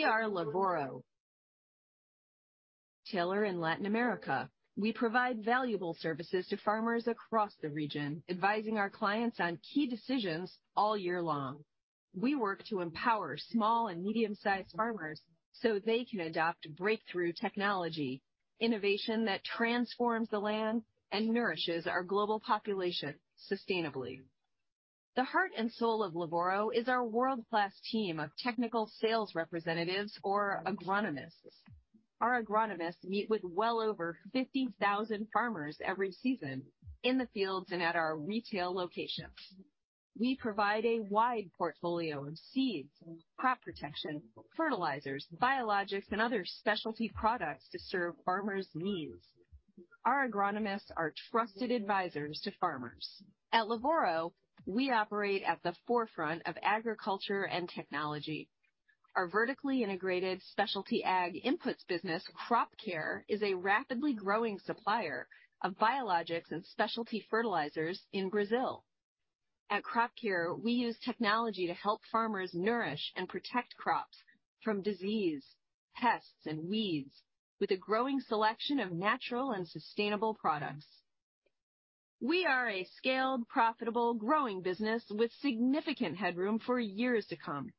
We are Lavoro. Retailer in Latin America. We provide valuable services to farmers across the region, advising our clients on key decisions all year long. We work to empower small and medium-sized farmers so they can adopt breakthrough technology, innovation that transforms the land and nourishes our global population sustainably. The heart and soul of Lavoro is our world-class team of technical sales representatives or agronomists. Our agronomists meet with well over 50,000 farmers every season in the fields and at our retail locations. We provide a wide portfolio of seeds, crop protection, fertilizers, biologics, and other specialty products to serve farmers' needs. Our agronomists are trusted advisors to farmers. At Lavoro, we operate at the forefront of agriculture and technology. Our vertically integrated specialty ag inputs business, Crop Care, is a rapidly growing supplier of biologics and specialty fertilizers in Brazil. At Crop Care, we use technology to help farmers nourish and protect crops from disease, pests and weeds with a growing selection of natural and sustainable products. We are a scaled, profitable, growing business with significant headroom for years to come.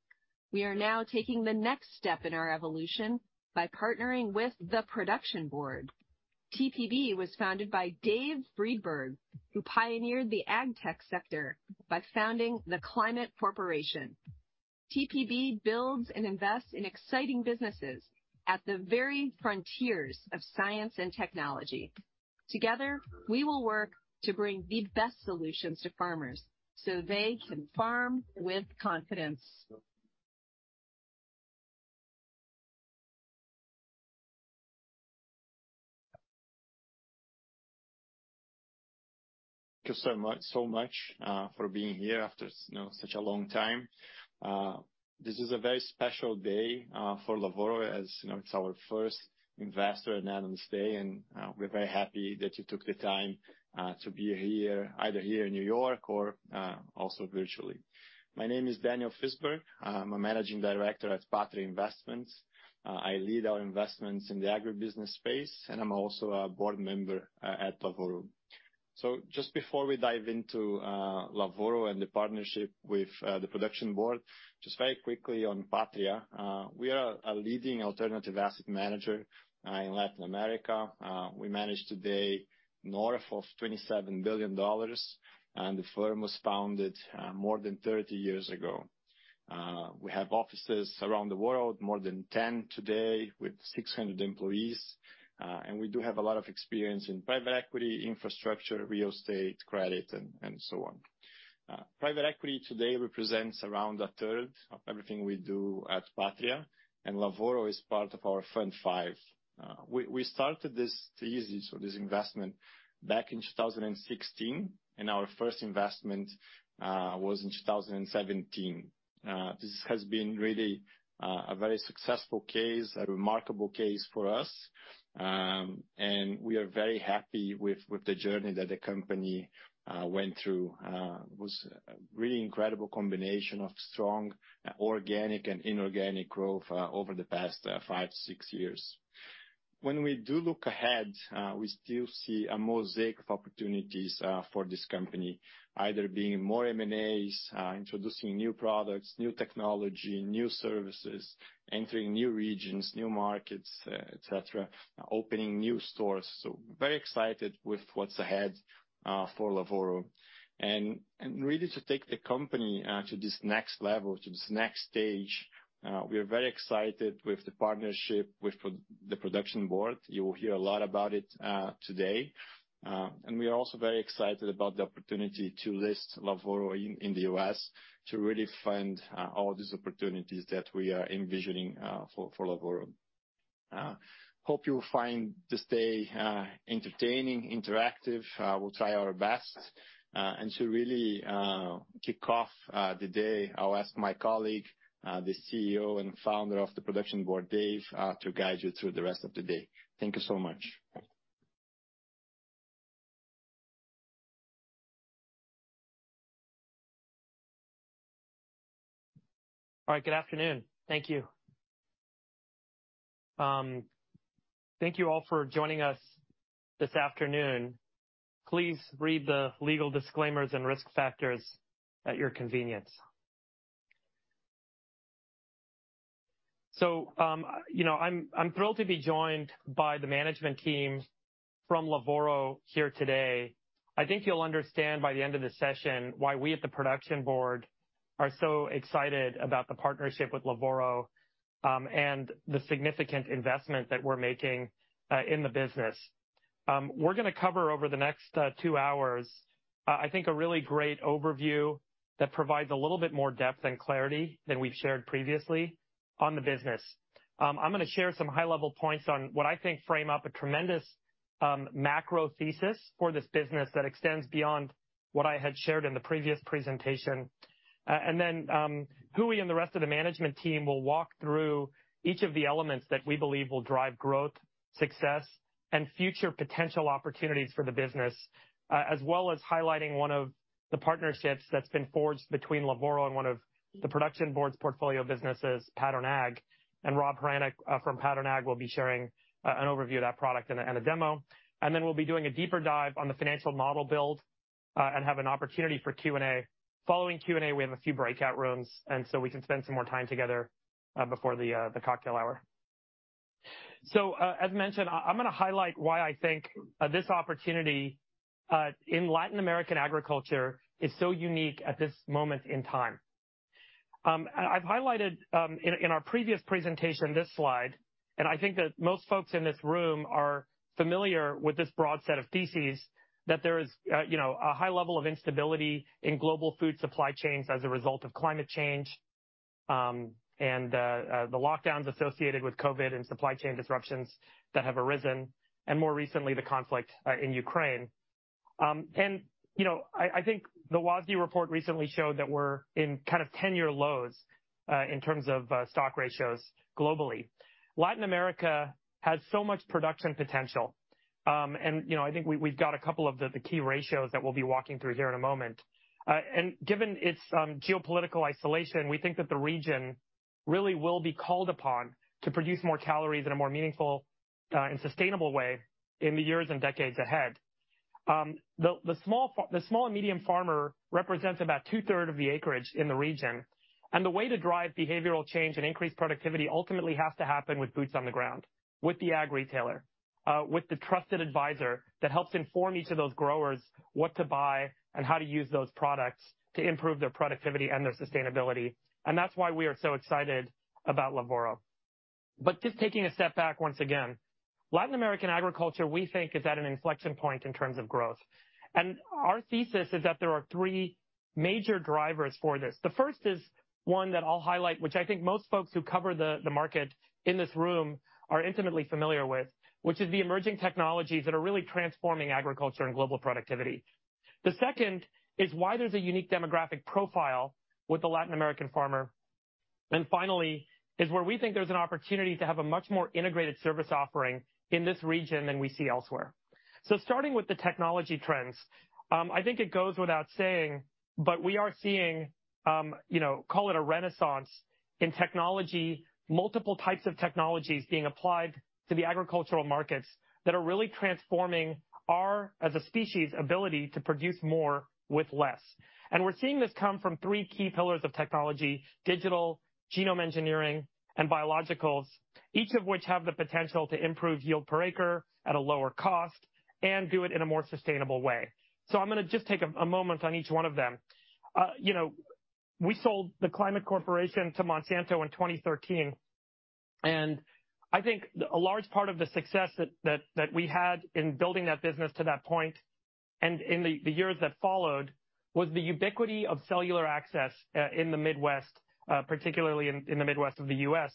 We are now taking the next step in our evolution by partnering with The Production Board. TPB was founded by Dave Friedberg, who pioneered the ag tech sector by founding The Climate Corporation. TPB builds and invests in exciting businesses at the very frontiers of science and technology. Together, we will work to bring the best solutions to farmers so they can farm with confidence. Thank you so much for being here after such a long time. This is a very special day for Lavoro, as you know, it's our first investor analyst day, and we're very happy that you took the time to be here, either here in New York or also virtually. My name is Daniel Fisberg. I'm a managing director at Patria Investments. I lead our investments in the agribusiness space, and I'm also a board member at Lavoro. Just before we dive into Lavoro and the partnership with The Production Board, just very quickly on Patria. We are a leading alternative asset manager in Latin America. We manage today north of $27 billion, and the firm was founded more than 30 years ago. We have offices around the world, more than 10 today with 600 employees, and we do have a lot of experience in private equity, infrastructure, real estate, credit, and so on. Private equity today represents around a third of everything we do at Patria, and Lavoro is part of our Fund Five. We started this thesis or this investment back in 2016, and our first investment was in 2017. This has been really a very successful case, a remarkable case for us, and we are very happy with the journey that the company went through. It was a really incredible combination of strong organic and inorganic growth over the past 5-6 years. When we do look ahead, we still see a mosaic of opportunities for this company, either being more M&As, introducing new products, new technology, new services, entering new regions, new markets, et cetera, opening new stores. Very excited with what's ahead for Lavoro. Really to take the company to this next level, to this next stage, we are very excited with the partnership with The Production Board. You will hear a lot about it today. We are also very excited about the opportunity to list Lavoro in the U.S. to really fund all these opportunities that we are envisioning for Lavoro. Hope you'll find this day entertaining, interactive. We'll try our best and to really kick off the day, I'll ask my colleague, the CEO and founder of The Production Board, Dave, to guide you through the rest of the day. Thank you so much. All right. Good afternoon. Thank you. Thank you all for joining us this afternoon. Please read the legal disclaimers and risk factors at your convenience. You know, I'm thrilled to be joined by the management team from Lavoro here today. I think you'll understand by the end of the session why we at The Production Board are so excited about the partnership with Lavoro, and the significant investment that we're making in the business. We're gonna cover over the next two hours, I think a really great overview that provides a little bit more depth and clarity than we've shared previously on the business. I'm gonna share some high-level points on what I think frame up a tremendous macro thesis for this business that extends beyond what I had shared in the previous presentation. Gui and the rest of the management team will walk through each of the elements that we believe will drive growth, success, and future potential opportunities for the business, as well as highlighting one of the partnerships that's been forged between Lavoro and one of The Production Board's portfolio businesses, Pattern Ag. Rob Hranac from Pattern Ag will be sharing an overview of that product and a demo. We'll be doing a deeper dive on the financial model build, and have an opportunity for Q&A. Following Q&A, we have a few breakout rooms, and so we can spend some more time together before the cocktail hour. As mentioned, I'm gonna highlight why I think this opportunity in Latin American agriculture is so unique at this moment in time. I've highlighted in our previous presentation this slide, and I think that most folks in this room are familiar with this broad set of theses that there is you know a high level of instability in global food supply chains as a result of climate change and the lockdowns associated with COVID and supply chain disruptions that have arisen, and more recently the conflict in Ukraine. You know, I think the WASDE report recently showed that we're in kind of ten-year lows in terms of stock ratios globally. Latin America has so much production potential. You know, I think we've got a couple of the key ratios that we'll be walking through here in a moment. Given its geopolitical isolation, we think that the region really will be called upon to produce more calories in a more meaningful and sustainable way in the years and decades ahead. The small to medium farmer represents about two-thirds of the acreage in the region, and the way to drive behavioral change and increased productivity ultimately has to happen with boots on the ground, with the ag retailer, with the trusted advisor that helps inform each of those growers what to buy and how to use those products to improve their productivity and their sustainability. That's why we are so excited about Lavoro. Just taking a step back once again, Latin American agriculture, we think, is at an inflection point in terms of growth. Our thesis is that there are three major drivers for this. The first is one that I'll highlight, which I think most folks who cover the market in this room are intimately familiar with, which is the emerging technologies that are really transforming agriculture and global productivity. The second is why there's a unique demographic profile with the Latin American farmer. And finally is where we think there's an opportunity to have a much more integrated service offering in this region than we see elsewhere. Starting with the technology trends, I think it goes without saying, but we are seeing, you know, call it a renaissance in technology, multiple types of technologies being applied to the agricultural markets that are really transforming our, as a species, ability to produce more with less. We're seeing this come from three key pillars of technology, digital, genome engineering, and biologicals, each of which have the potential to improve yield per acre at a lower cost and do it in a more sustainable way. I'm gonna just take a moment on each one of them. We sold The Climate Corporation to Monsanto in 2013, and I think a large part of the success that we had in building that business to that point, and in the years that followed, was the ubiquity of cellular access in the Midwest, particularly in the Midwest of the U.S.,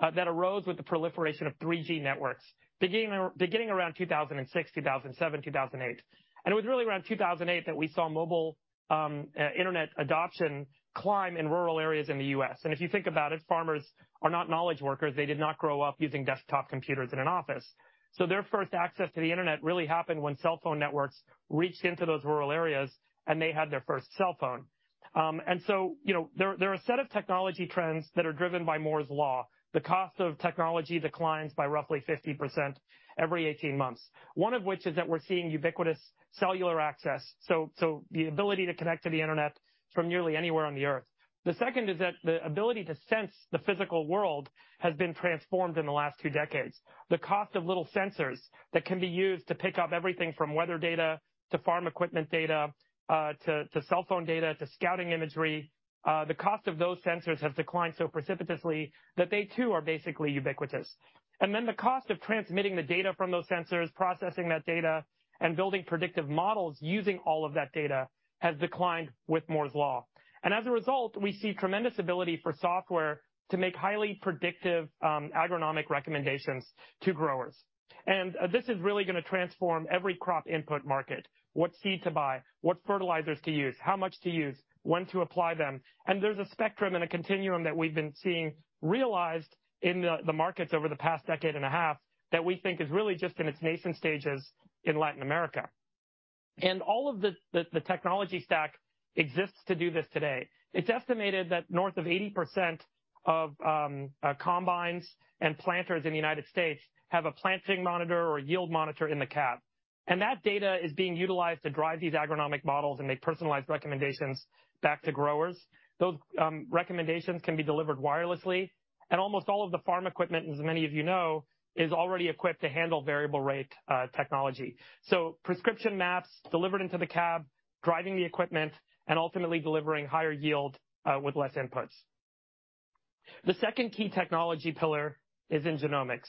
that arose with the proliferation of 3G networks beginning around 2006, 2007, 2008. It was really around 2008 that we saw mobile internet adoption climb in rural areas in the U.S., if you think about it, farmers are not knowledge workers. They did not grow up using desktop computers in an office. Their first access to the Internet really happened when cell phone networks reached into those rural areas, and they had their first cell phone. You know, there are a set of technology trends that are driven by Moore's Law. The cost of technology declines by roughly 50% every 18 months. One of which is that we're seeing ubiquitous cellular access, so the ability to connect to the internet from nearly anywhere on the earth. The second is that the ability to sense the physical world has been transformed in the last two decades. The cost of little sensors that can be used to pick up everything from weather data to farm equipment data, to cell phone data, to scouting imagery, the cost of those sensors has declined so precipitously that they too are basically ubiquitous. The cost of transmitting the data from those sensors, processing that data, and building predictive models using all of that data has declined with Moore's Law. As a result, we see tremendous ability for software to make highly predictive, agronomic recommendations to growers. This is really gonna transform every crop input market. What seed to buy, what fertilizers to use, how much to use, when to apply them. There's a spectrum and a continuum that we've been seeing realized in the markets over the past decade and a half that we think is really just in its nascent stages in Latin America. All of the technology stack exists to do this today. It's estimated that north of 80% of combines and planters in the United States have a planting monitor or yield monitor in the cab. That data is being utilized to drive these agronomic models and make personalized recommendations back to growers. Those recommendations can be delivered wirelessly, and almost all of the farm equipment, as many of you know, is already equipped to handle variable rate technology. Prescription maps delivered into the cab, driving the equipment, and ultimately delivering higher yield with less inputs. The second key technology pillar is in genomics.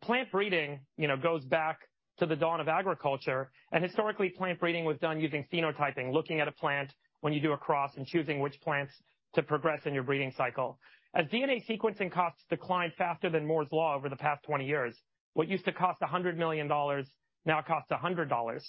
Plant breeding, you know, goes back to the dawn of agriculture, and historically, plant breeding was done using phenotyping, looking at a plant when you do a cross and choosing which plants to progress in your breeding cycle. As DNA sequencing costs declined faster than Moore's Law over the past 20 years, what used to cost $100 million now costs $100.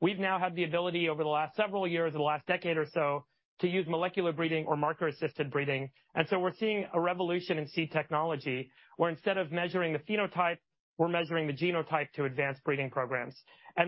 We've now had the ability over the last several years, or the last decade or so, to use molecular breeding or marker-assisted breeding. We're seeing a revolution in seed technology, where instead of measuring the phenotype, we're measuring the genotype to advance breeding programs.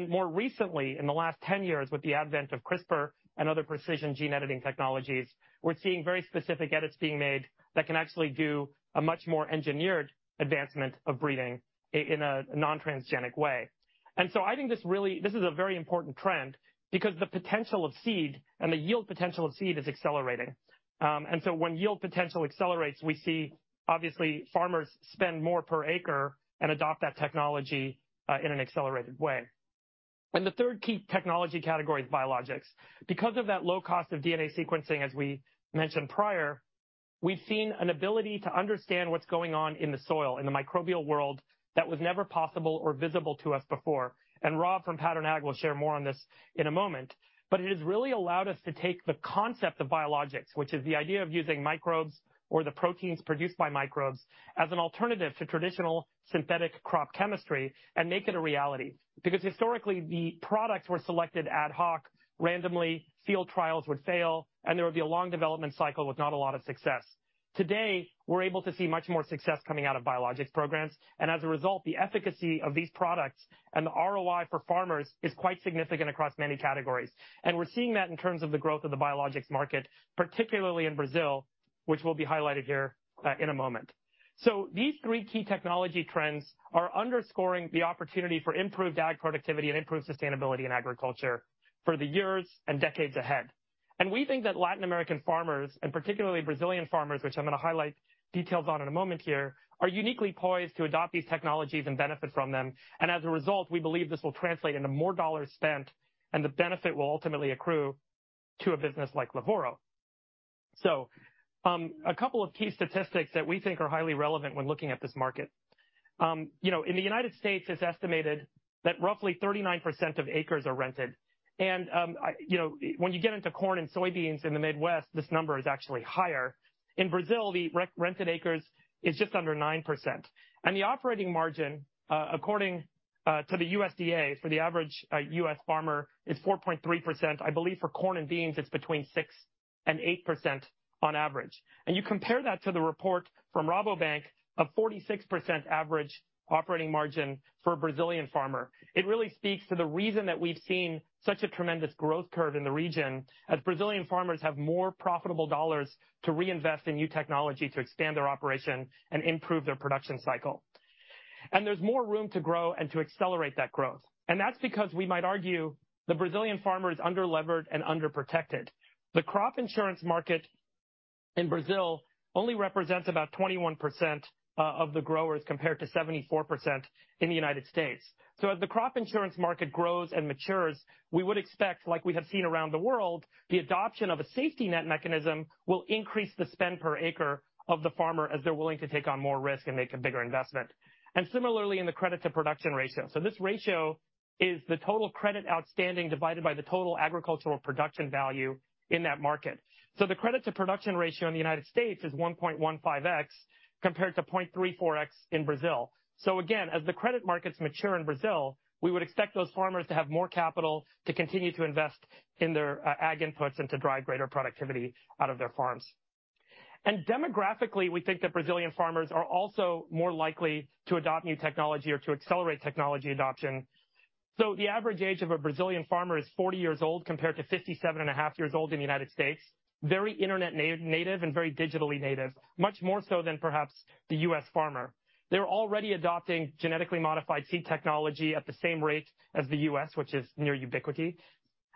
More recently, in the last 10 years, with the advent of CRISPR and other precision gene editing technologies, we're seeing very specific edits being made that can actually do a much more engineered advancement of breeding in a non-transgenic way. I think this really is a very important trend because the potential of seed and the yield potential of seed is accelerating. When yield potential accelerates, we see obviously farmers spend more per acre and adopt that technology in an accelerated way. The third key technology category is biologics. Because of that low cost of DNA sequencing, as we mentioned prior, we've seen an ability to understand what's going on in the soil, in the microbial world that was never possible or visible to us before. Rob from Pattern Ag will share more on this in a moment. It has really allowed us to take the concept of biologics, which is the idea of using microbes or the proteins produced by microbes as an alternative to traditional synthetic crop chemistry and make it a reality. Because historically, the products were selected ad hoc, randomly, field trials would fail, and there would be a long development cycle with not a lot of success. Today, we're able to see much more success coming out of biologics programs. As a result, the efficacy of these products and the ROI for farmers is quite significant across many categories. We're seeing that in terms of the growth of the biologics market, particularly in Brazil, which will be highlighted here, in a moment. These three key technology trends are underscoring the opportunity for improved ag productivity and improved sustainability in agriculture for the years and decades ahead. We think that Latin American farmers, and particularly Brazilian farmers, which I'm going to highlight details on in a moment here, are uniquely poised to adopt these technologies and benefit from them. As a result, we believe this will translate into more dollars spent and the benefit will ultimately accrue to a business like Lavoro. A couple of key statistics that we think are highly relevant when looking at this market. You know, in the United States, it's estimated that roughly 39% of acres are rented. You know, when you get into corn and soybeans in the Midwest, this number is actually higher. In Brazil, the rented acres is just under 9%. The operating margin, according to the USDA, for the average U.S. farmer is 4.3%. I believe for corn and beans, it's between 6% and 8% on average. You compare that to the report from Rabobank of 46% average operating margin for a Brazilian farmer. It really speaks to the reason that we've seen such a tremendous growth curve in the region as Brazilian farmers have more profitable dollars to reinvest in new technology to expand their operation and improve their production cycle. There's more room to grow and to accelerate that growth. That's because we might argue the Brazilian farmer is under-levered and underprotected. The crop insurance market in Brazil only represents about 21% of the growers, compared to 74% in the United States. As the crop insurance market grows and matures, we would expect, like we have seen around the world, the adoption of a safety net mechanism will increase the spend per acre of the farmer as they're willing to take on more risk and make a bigger investment. Similarly, in the credit to production ratio. This ratio is the total credit outstanding divided by the total agricultural production value in that market. The credit to production ratio in the United States is 1.15x, compared to 0.34x in Brazil. Again, as the credit markets mature in Brazil, we would expect those farmers to have more capital to continue to invest in their ag inputs and to drive greater productivity out of their farms. Demographically, we think that Brazilian farmers are also more likely to adopt new technology or to accelerate technology adoption. The average age of a Brazilian farmer is 40 years old, compared to 57.5 years old in the United States. Very internet-native and very digitally native, much more so than perhaps the U.S. farmer. They're already adopting genetically modified seed technology at the same rate as the U.S., which is near ubiquity.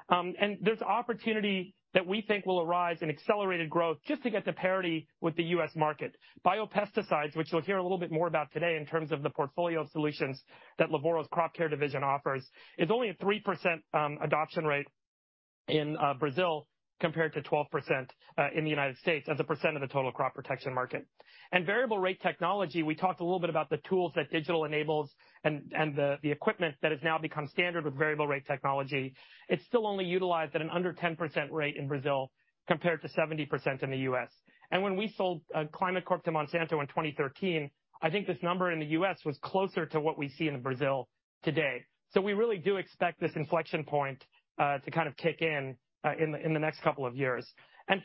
There's opportunity that we think will arise in accelerated growth just to get to parity with the U.S. market. Biopesticides, which you'll hear a little bit more about today in terms of the portfolio of solutions that Lavoro's Crop Care division offers, is only a 3% adoption rate in Brazil, compared to 12% in the United States as a percent of the total crop protection market. Variable rate technology, we talked a little bit about the tools that digital enables and the equipment that has now become standard with variable rate technology. It's still only utilized at an under 10% rate in Brazil, compared to 70% in the U.S. When we sold Climate Corp to Monsanto in 2013, I think this number in the U.S. was closer to what we see in Brazil today. We really do expect this inflection point to kind of kick in in the next couple of years.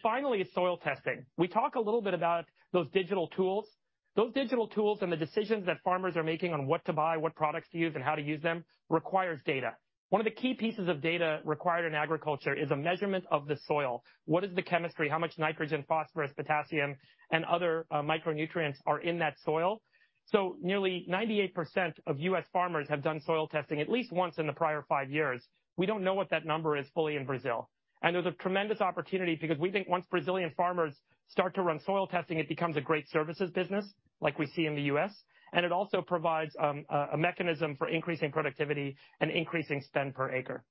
Finally, soil testing. We talk a little bit about those digital tools. Those digital tools and the decisions that farmers are making on what to buy, what products to use and how to use them requires data. One of the key pieces of data required in agriculture is a measurement of the soil. What is the chemistry? How much nitrogen, phosphorus, potassium, and other micronutrients are in that soil? Nearly 98% of U.S. farmers have done soil testing at least once in the prior five years. We don't know what that number is fully in Brazil. There's a tremendous opportunity because we think once Brazilian farmers start to run soil testing, it becomes a great services business like we see in the U.S. It also provides a mechanism for increasing productivity and increasing spend per acre.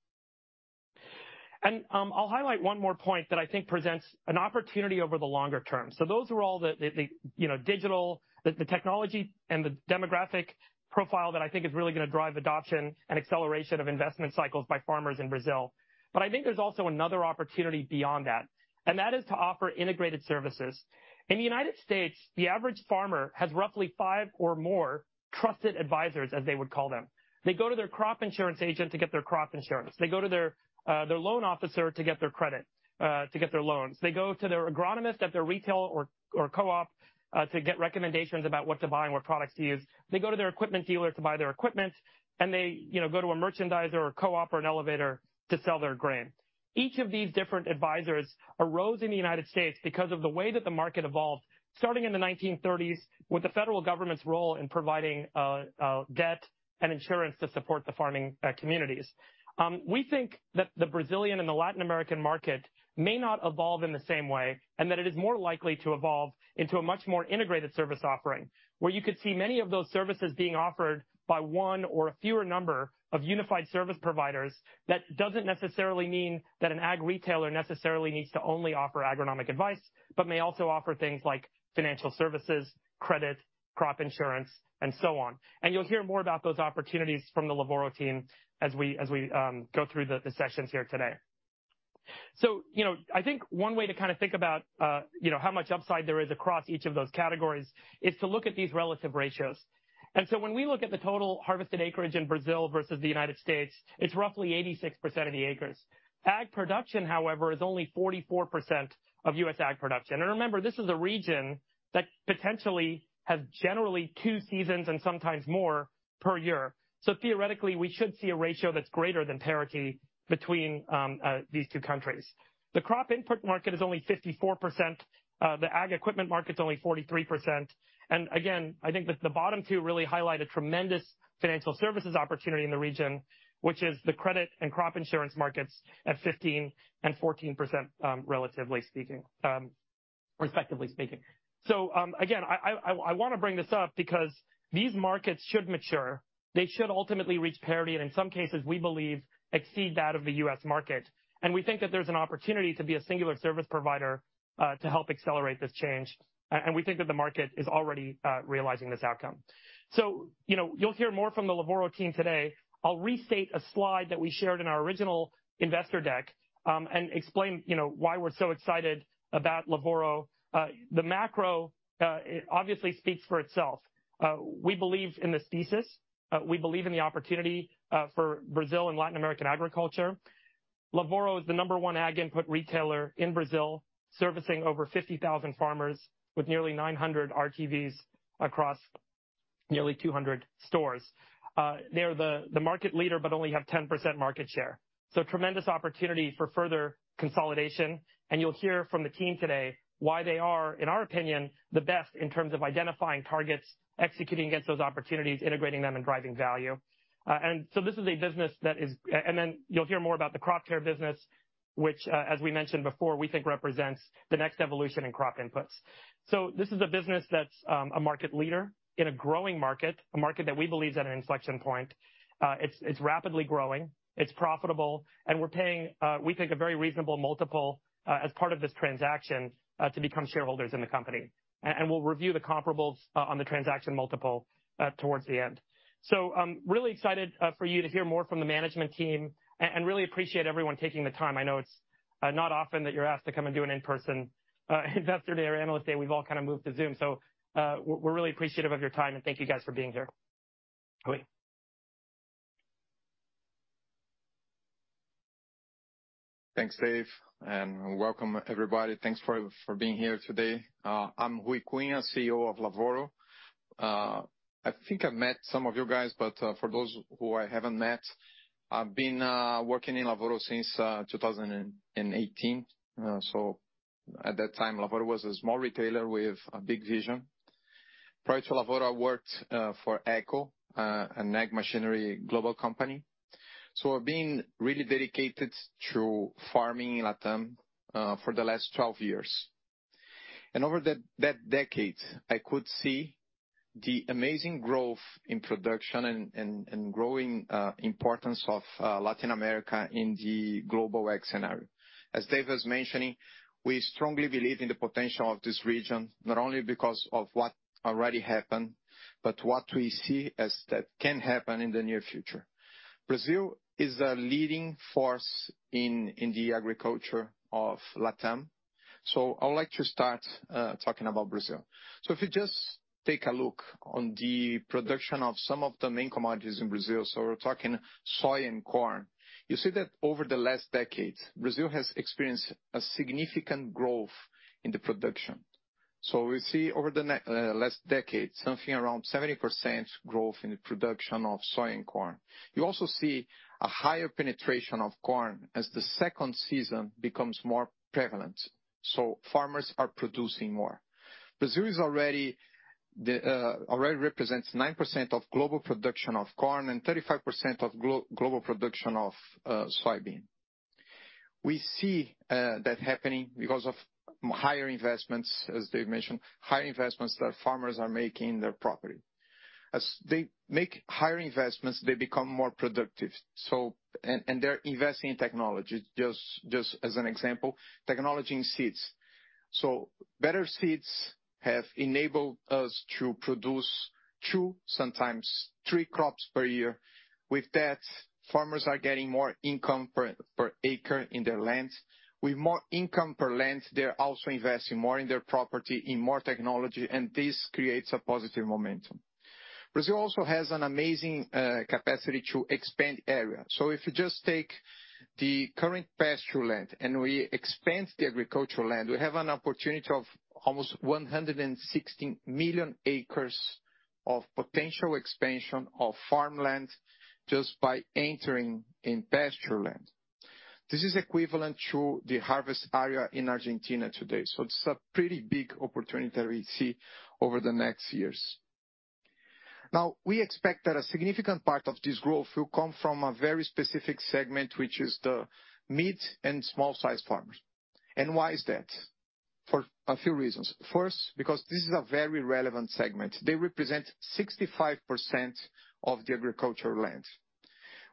I'll highlight one more point that I think presents an opportunity over the longer term. Those are all the, you know, digital technology and the demographic profile that I think is really gonna drive adoption and acceleration of investment cycles by farmers in Brazil. I think there's also another opportunity beyond that, and that is to offer integrated services. In the United States, the average farmer has roughly five or more trusted advisors, as they would call them. They go to their crop insurance agent to get their crop insurance. They go to their loan officer to get their credit to get their loans. They go to their agronomist at their retail or co-op to get recommendations about what to buy and what products to use. They go to their equipment dealer to buy their equipment, and they, you know, go to a merchandiser or co-op or an elevator to sell their grain. Each of these different advisors arose in the United States because of the way that the market evolved starting in the 1930s with the federal government's role in providing debt and insurance to support the farming communities. We think that the Brazilian and the Latin American market may not evolve in the same way, and that it is more likely to evolve into a much more integrated service offering, where you could see many of those services being offered by one or a fewer number of unified service providers that doesn't necessarily mean that an ag retailer necessarily needs to only offer agronomic advice, but may also offer things like financial services, credit, crop insurance, and so on. You'll hear more about those opportunities from the Lavoro team as we go through the sessions here today. You know, I think one way to kind of think about, you know, how much upside there is across each of those categories is to look at these relative ratios. When we look at the total harvested acreage in Brazil versus the United States, it's roughly 86% of the acres. Ag production, however, is only 44% of U.S. ag production. Remember, this is a region that potentially has generally two seasons and sometimes more per year. Theoretically, we should see a ratio that's greater than parity between these two countries. The crop input market is only 54%. The ag equipment market's only 43%. I think the bottom two really highlight a tremendous financial services opportunity in the region, which is the credit and crop insurance markets at 15% and 14%, relatively speaking, respectively speaking. Again, I wanna bring this up because these markets should mature. They should ultimately reach parity, and in some cases, we believe exceed that of the U.S. market. We think that there's an opportunity to be a singular service provider to help accelerate this change. We think that the market is already realizing this outcome. You know, you'll hear more from the Lavoro team today. I'll restate a slide that we shared in our original investor deck and explain, you know, why we're so excited about Lavoro. The macro obviously speaks for itself. We believe in this thesis. We believe in the opportunity for Brazil and Latin American agriculture. Lavoro is the number one ag input retailer in Brazil, servicing over 50,000 farmers with nearly 900 RTVs across nearly 200 stores. They're the market leader, but only have 10% market share. Tremendous opportunity for further consolidation, and you'll hear from the team today why they are, in our opinion, the best in terms of identifying targets, executing against those opportunities, integrating them, and driving value. And then you'll hear more about the Crop Care business, which, as we mentioned before, we think represents the next evolution in crop inputs. This is a business that's a market leader in a growing market, a market that we believe is at an inflection point. It's rapidly growing, it's profitable, and we're paying, we think, a very reasonable multiple, as part of this transaction, to become shareholders in the company. We'll review the comparables on the transaction multiple, towards the end. Really excited, for you to hear more from the management team and really appreciate everyone taking the time. I know it's not often that you're asked to come and do an in-person investor day or analyst day. We've all kinda moved to Zoom. We're really appreciative of your time, and thank you guys for being here. Ruy? Thanks, Dave, and welcome everybody. Thanks for being here today. I'm Ruy Cunha, CEO of Lavoro. I think I've met some of you guys, but for those who I haven't met, I've been working in Lavoro since 2018. At that time, Lavoro was a small retailer with a big vision. Prior to Lavoro, I worked for AGCO, an ag machinery global company. I've been really dedicated to farming in LatAm for the last 12 years. Over that decade, I could see the amazing growth in production and growing importance of Latin America in the global ag scenario. As Dave was mentioning, we strongly believe in the potential of this region, not only because of what already happened, but what we see as that can happen in the near future. Brazil is a leading force in the agriculture of LatAm, so I would like to start talking about Brazil. If you just take a look on the production of some of the main commodities in Brazil, so we're talking soy and corn. You see that over the last decade, Brazil has experienced a significant growth in the production. We see over the last decade, something around 70% growth in the production of soy and corn. You also see a higher penetration of corn as the second season becomes more prevalent, so farmers are producing more. Brazil already represents 9% of global production of corn and 35% of global production of soybean. We see that happening because of higher investments, as Dave mentioned, higher investments that farmers are making in their property. As they make higher investments, they become more productive, and they're investing in technology. Just as an example, technology in seeds. Better seeds have enabled us to produce two, sometimes three crops per year. With that, farmers are getting more income per acre in their land. With more income per land, they're also investing more in their property, in more technology, and this creates a positive momentum. Brazil also has an amazing capacity to expand area. If you just take the current pasture land and we expand the agricultural land, we have an opportunity of almost 116 million acres of potential expansion of farmland just by entering in pasture land. This is equivalent to the harvest area in Argentina today, so it's a pretty big opportunity that we see over the next years. Now, we expect that a significant part of this growth will come from a very specific segment, which is the mid and small-sized farmers. Why is that? For a few reasons. First, because this is a very relevant segment. They represent 65% of the agricultural land.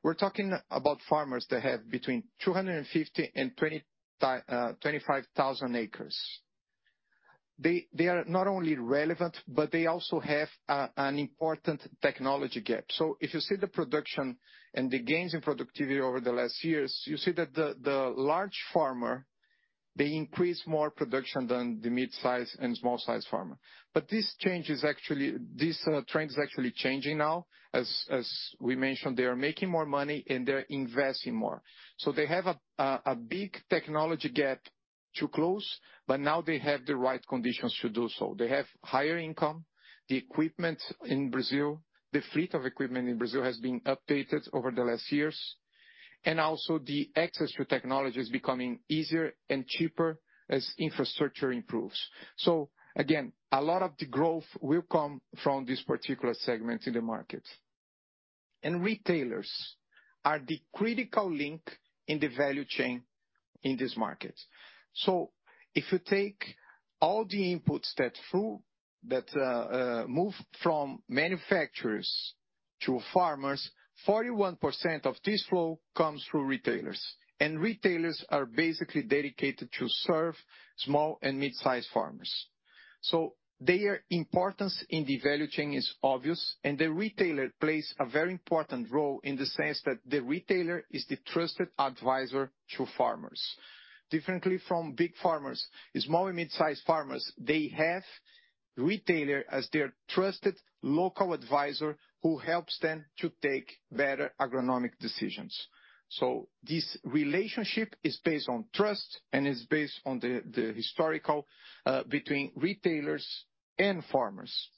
We're talking about farmers that have between 250 and 25,000 acres. They are not only relevant, but they also have an important technology gap. If you see the production and the gains in productivity over the last years, you see that the large farmer, they increase more production than the mid-size and small size farmer. This trend is actually changing now. As we mentioned, they are making more money and they're investing more. They have a big technology gap to close, but now they have the right conditions to do so. They have higher income, the equipment in Brazil, the fleet of equipment in Brazil has been updated over the last years, and also the access to technology is becoming easier and cheaper as infrastructure improves. A lot of the growth will come from this particular segment in the market. Retailers are the critical link in the value chain in this market. If you take all the inputs that flow that move from manufacturers to farmers, 41% of this flow comes through retailers. Retailers are basically dedicated to serve small and mid-sized farmers. Their importance in the value chain is obvious, and the retailer plays a very important role in the sense that the retailer is the trusted advisor to farmers. Differently from big farmers, small and mid-sized farmers, they have retailer as their trusted local advisor who helps them to take better agronomic decisions. This relationship is based on trust and is based on the historical between retailers and farmers.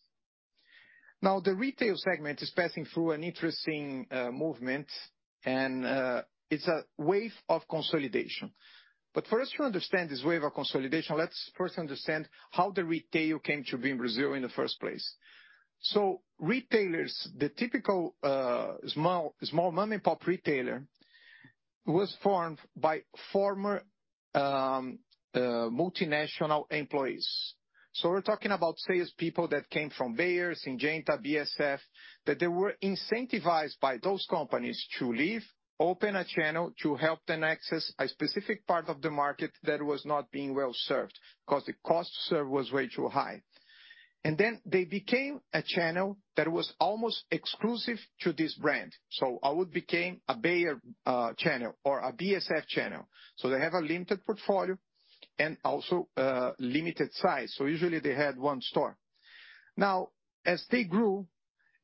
Now, the retail segment is passing through an interesting movement, and it's a wave of consolidation. For us to understand this wave of consolidation, let's first understand how the retail came to be in Brazil in the first place. Retailers, the typical small mom-and-pop retailer was formed by former multinational employees. We're talking about salespeople that came from Bayer, Syngenta, BASF, that they were incentivized by those companies to leave, open a channel to help them access a specific part of the market that was not being well-served because the cost to serve was way too high. Then they became a channel that was almost exclusive to this brand. I would become a Bayer channel or a BASF channel. They have a limited portfolio and also limited size. Usually they had one store. Now, as they grew,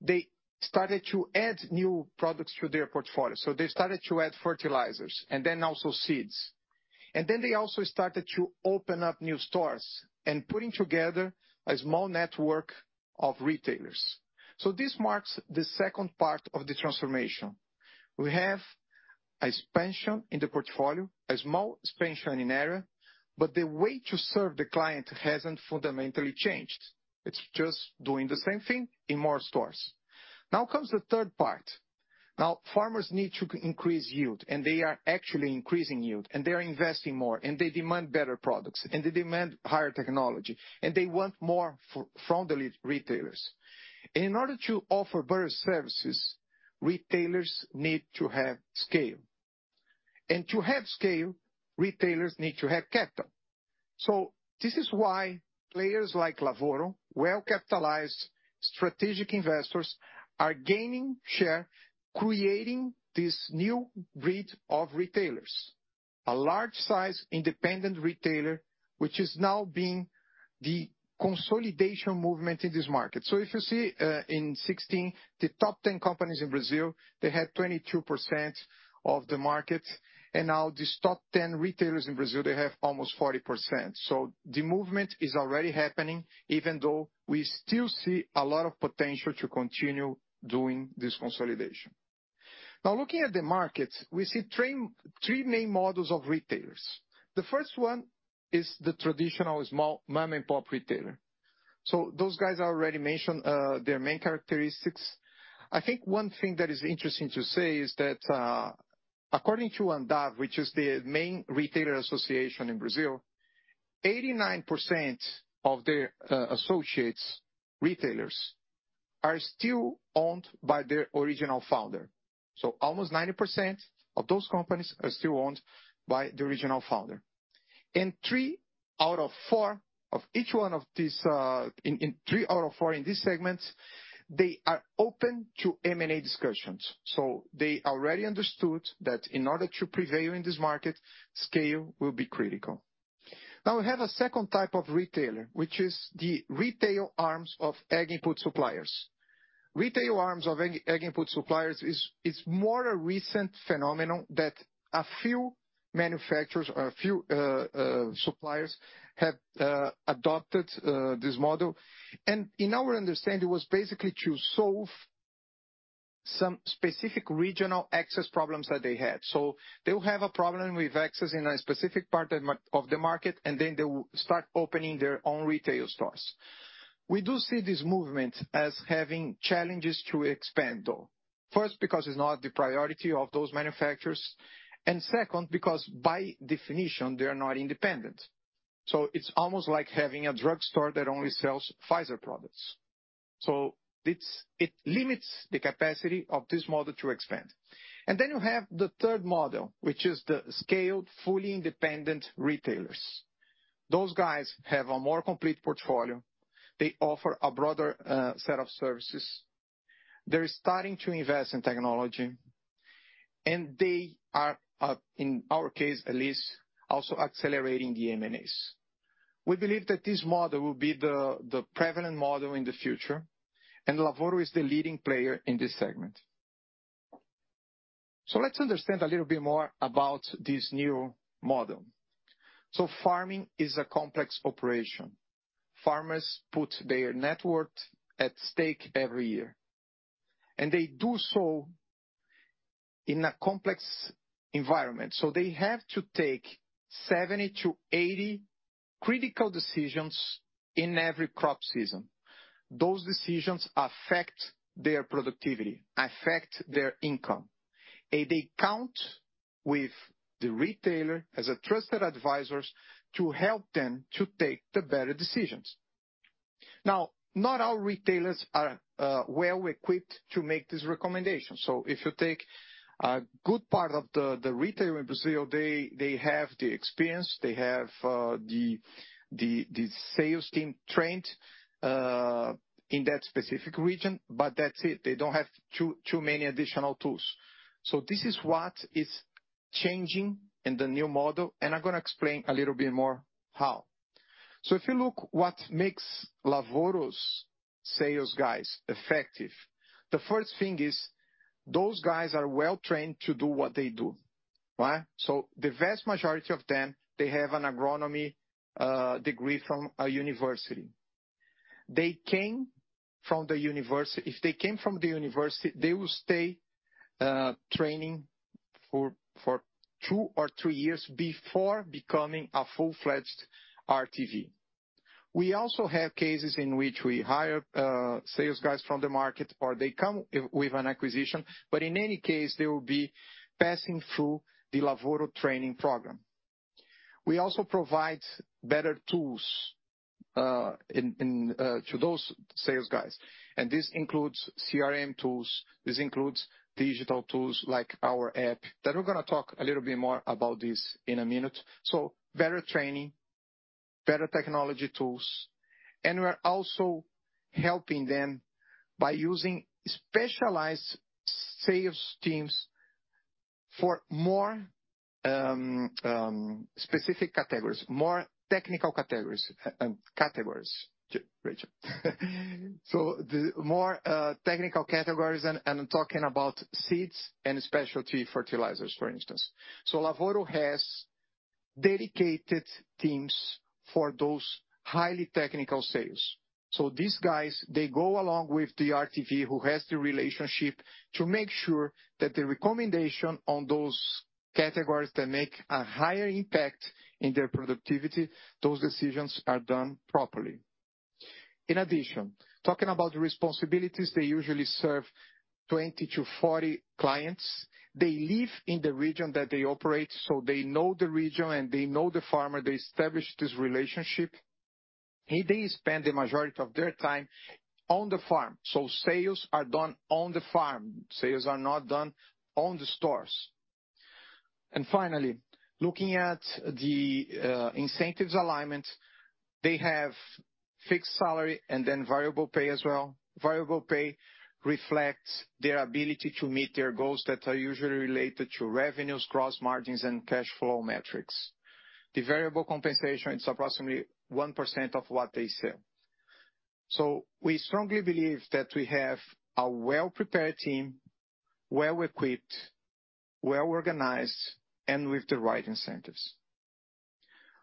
they started to add new products to their portfolio. They started to add fertilizers and then also seeds. Then they also started to open up new stores and putting together a small network of retailers. This marks the second part of the transformation. We have expansion in the portfolio, a small expansion in area, but the way to serve the client hasn't fundamentally changed. It's just doing the same thing in more stores. Now comes the third part. Now, farmers need to increase yield, and they are actually increasing yield, and they are investing more, and they demand better products, and they demand higher technology, and they want more from the retailers. In order to offer better services, retailers need to have scale. To have scale, retailers need to have capital. This is why players like Lavoro, well-capitalized strategic investors are gaining share, creating this new breed of retailers, a large-size independent retailer, which is now being the consolidation movement in this market. If you see, in 2016, the top ten companies in Brazil, they had 22% of the market, and now these top ten retailers in Brazil, they have almost 40%. The movement is already happening, even though we still see a lot of potential to continue doing this consolidation. Now, looking at the market, we see three main models of retailers. The first one is the traditional small mom-and-pop retailer. Those guys, I already mentioned, their main characteristics. I think one thing that is interesting to say is that, according to ANDAV, which is the main retailer association in Brazil, 89% of their associates, retailers are still owned by their original founder. Almost 90% of those companies are still owned by the original founder. Three out of four of each one of these, in three out of four in this segment, they are open to M&A discussions. They already understood that in order to prevail in this market, scale will be critical. Now, we have a second type of retailer, which is the retail arms of ag input suppliers. Retail arms of ag input suppliers is more a recent phenomenon that a few manufacturers or a few suppliers have adopted this model. In our understanding, it was basically to solve some specific regional access problems that they had. They'll have a problem with access in a specific part of the market, and then they will start opening their own retail stores. We do see this movement as having challenges to expand, though. First, because it's not the priority of those manufacturers, and second, because by definition, they are not independent. It's almost like having a drugstore that only sells Pfizer products. It limits the capacity of this model to expand. You have the third model, which is the scaled, fully independent retailers. Those guys have a more complete portfolio. They offer a broader set of services. They're starting to invest in technology, and they are, in our case at least, also accelerating the M&As. We believe that this model will be the prevalent model in the future, and Lavoro is the leading player in this segment. Let's understand a little bit more about this new model. Farming is a complex operation. Farmers put their net worth at stake every year, and they do so in a complex environment, so they have to take 70-80 critical decisions in every crop season. Those decisions affect their productivity, affect their income, and they count with the retailer as a trusted advisor to help them to take the better decisions. Now, not all retailers are well-equipped to make these recommendations. If you take a good part of the retailer in Brazil, they have the experience, they have the sales team trained in that specific region, but that's it. They don't have too many additional tools. This is what is changing in the new model, and I'm gonna explain a little bit more how. If you look what makes Lavoro's sales guys effective, the first thing is those guys are well-trained to do what they do, right? The vast majority of them, they have an agronomy degree from a university. If they came from the university, they will stay training for two or three years before becoming a full-fledged RTV. We also have cases in which we hire sales guys from the market, or they come with an acquisition, but in any case, they will be passing through the Lavoro training program. We also provide better tools to those sales guys, and this includes CRM tools. This includes digital tools like our app, that we're gonna talk a little bit more about this in a minute. Better training, better technology tools, and we're also helping them by using specialized sales teams for more specific categories, more technical categories. Categories, Rachel. The more technical categories and talking about seeds and specialty fertilizers, for instance. Lavoro has dedicated teams for those highly technical sales. These guys, they go along with the RTV, who has the relationship, to make sure that the recommendation on those categories that make a higher impact in their productivity, those decisions are done properly. In addition, talking about the responsibilities, they usually serve 20-40 clients. They live in the region that they operate, so they know the region and they know the farmer. They establish this relationship. They spend the majority of their time on the farm. Sales are done on the farm. Sales are not done in the stores. Finally, looking at the incentives alignment, they have fixed salary and then variable pay as well. Variable pay reflects their ability to meet their goals that are usually related to revenues, gross margins, and cash flow metrics. The variable compensation is approximately 1% of what they sell. We strongly believe that we have a well-prepared team, well-equipped, well-organized, and with the right incentives.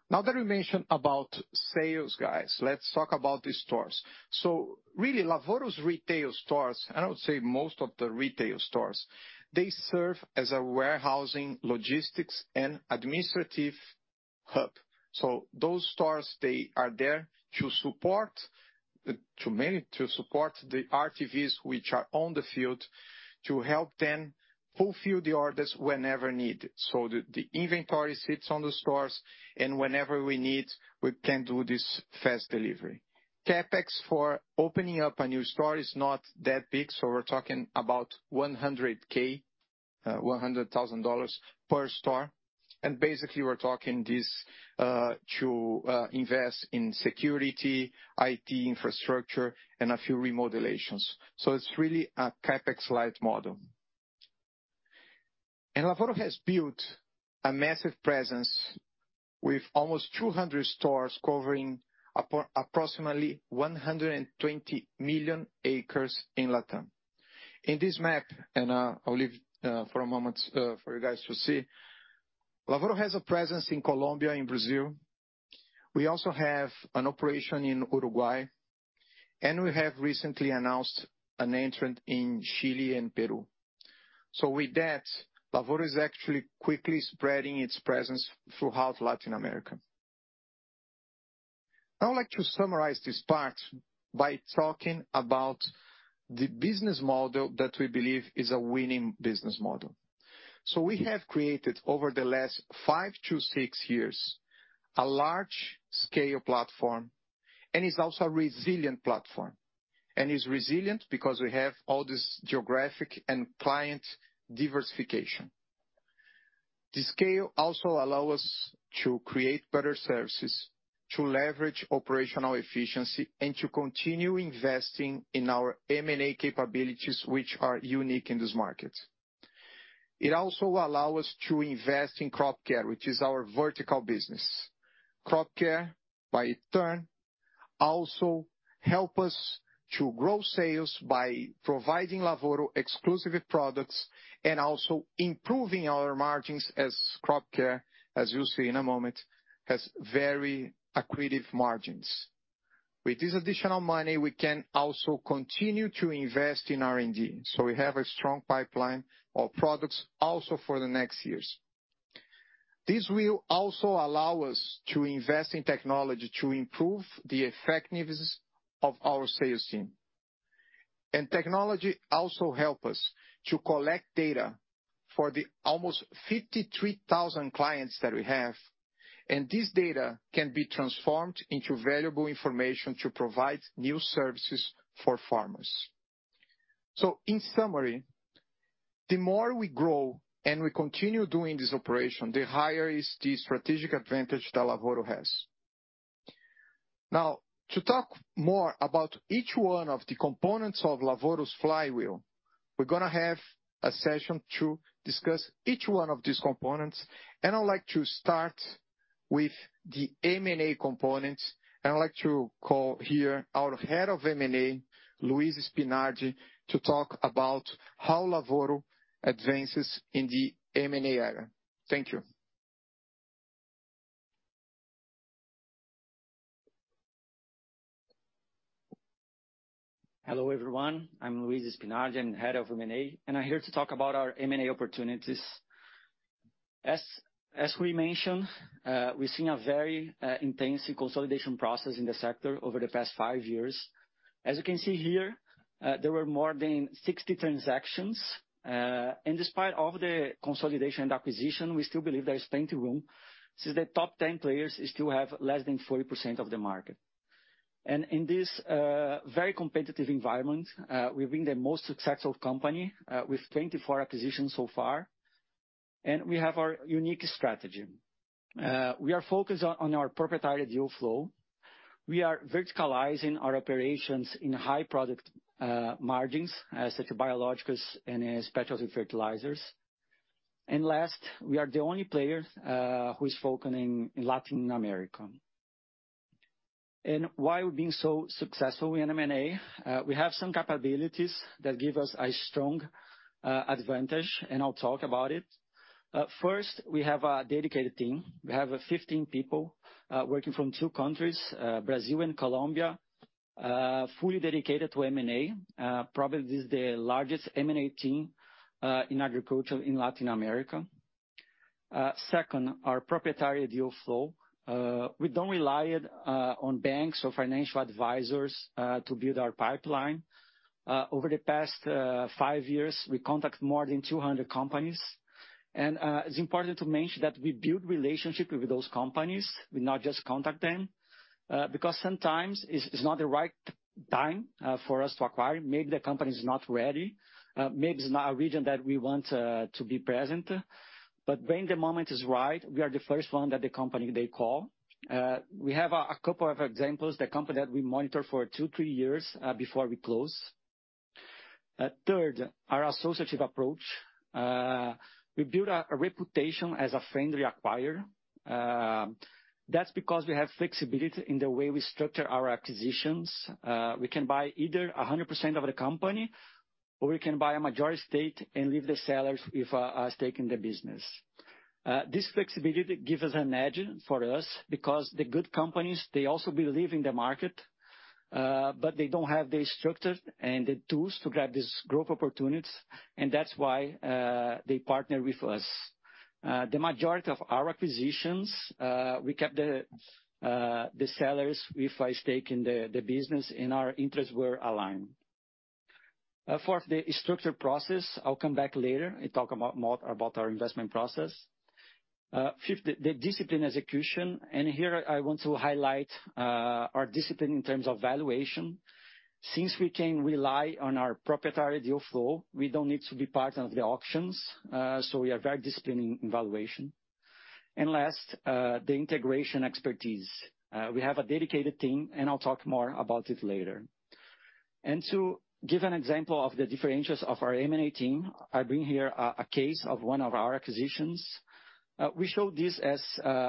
Now that we mentioned about sales guys, let's talk about the stores. Really, Lavoro's retail stores, and I would say most of the retail stores, they serve as a warehousing, logistics, and administrative hub. Those stores are there to mainly support the RTVs which are on the field, to help them fulfill the orders whenever needed. The inventory sits on the stores, and whenever we need, we can do this fast delivery. CapEx for opening up a new store is not that big, so we're talking about 100K, $100,000 per store, and basically we're talking this to invest in security, IT infrastructure, and a few remodelations. It's really a CapEx-light model. Lavoro has built a massive presence with almost 200 stores covering approximately 120 million acres in LatAm. In this map, I'll leave for a moment for you guys to see, Lavoro has a presence in Colombia and Brazil. We also have an operation in Uruguay, and we have recently announced an entry in Chile and Peru. With that, Lavoro is actually quickly spreading its presence throughout Latin America. I would like to summarize this part by talking about the business model that we believe is a winning business model. We have created over the last 5 to 6 years, a large scale platform, and it's also a resilient platform. It's resilient because we have all this geographic and client diversification. The scale also allow us to create better services, to leverage operational efficiency, and to continue investing in our M&A capabilities, which are unique in this market. It also allow us to invest in Crop Care, which is our vertical business. Crop Care, in turn, also help us to grow sales by providing Lavoro exclusive products and also improving our margins as Crop Care, as you'll see in a moment, has very accretive margins. With this additional money, we can also continue to invest in R&D, so we have a strong pipeline of products also for the next years. This will also allow us to invest in technology to improve the effectiveness of our sales team. Technology also help us to collect data for the almost 53,000 clients that we have, and this data can be transformed into valuable information to provide new services for farmers. In summary, the more we grow and we continue doing this operation, the higher is the strategic advantage that Lavoro has. Now, to talk more about each one of the components of Lavoro's flywheel, we're gonna have a session to discuss each one of these components, and I'd like to start with the M&A component. I would like to call here our Head of M&A, Luis Spinardi, to talk about how Lavoro advances in the M&A area. Thank you. Hello, everyone. I'm Luis Spinardi, Head of M&A, and I'm here to talk about our M&A opportunities. We've seen a very intensive consolidation process in the sector over the past five years. As you can see here, there were more than 60 transactions. Despite all of the consolidation and acquisition, we still believe there is plenty room. Since the top ten players still have less than 40% of the market. In this very competitive environment, we've been the most successful company with 24 acquisitions so far. We have our unique strategy. We are focused on our proprietary deal flow. We are verticalizing our operations in high product margins, such as biological and specialty fertilizers. Last, we are the only player who is focusing in Latin America. Why we're being so successful in M&A, we have some capabilities that give us a strong advantage, and I'll talk about it. First, we have a dedicated team. We have 15 people working from two countries, Brazil and Colombia, fully dedicated to M&A. Probably this is the largest M&A team in agriculture in Latin America. Second, our proprietary deal flow. We don't rely on banks or financial advisors to build our pipeline. Over the past five years, we contact more than 200 companies. It's important to mention that we build relationship with those companies. We not just contact them because sometimes it's not the right time for us to acquire. Maybe the company is not ready, maybe it's not a region that we want to be present. When the moment is right, we are the first one that the company they call. We have a couple of examples. The company that we monitor for 2-3 years before we close. Third, our associative approach. We build a reputation as a friendly acquirer. That's because we have flexibility in the way we structure our acquisitions. We can buy either 100% of the company or we can buy a majority stake and leave the sellers with a stake in the business. This flexibility give us an edge for us because the good companies, they also believe in the market, but they don't have the structure and the tools to grab this growth opportunities. That's why they partner with us. The majority of our acquisitions, we kept the sellers with a stake in the business and our interests were aligned. Fourth, the structured process. I'll come back later and talk about our investment process. Fifth, the disciplined execution, and here I want to highlight our discipline in terms of valuation. Since we can rely on our proprietary deal flow, we don't need to be part of the auctions, so we are very disciplined in valuation. Last, the integration expertise. We have a dedicated team, and I'll talk more about it later. To give an example of the differentiators of our M&A team, I bring here a case of one of our acquisitions. We show this as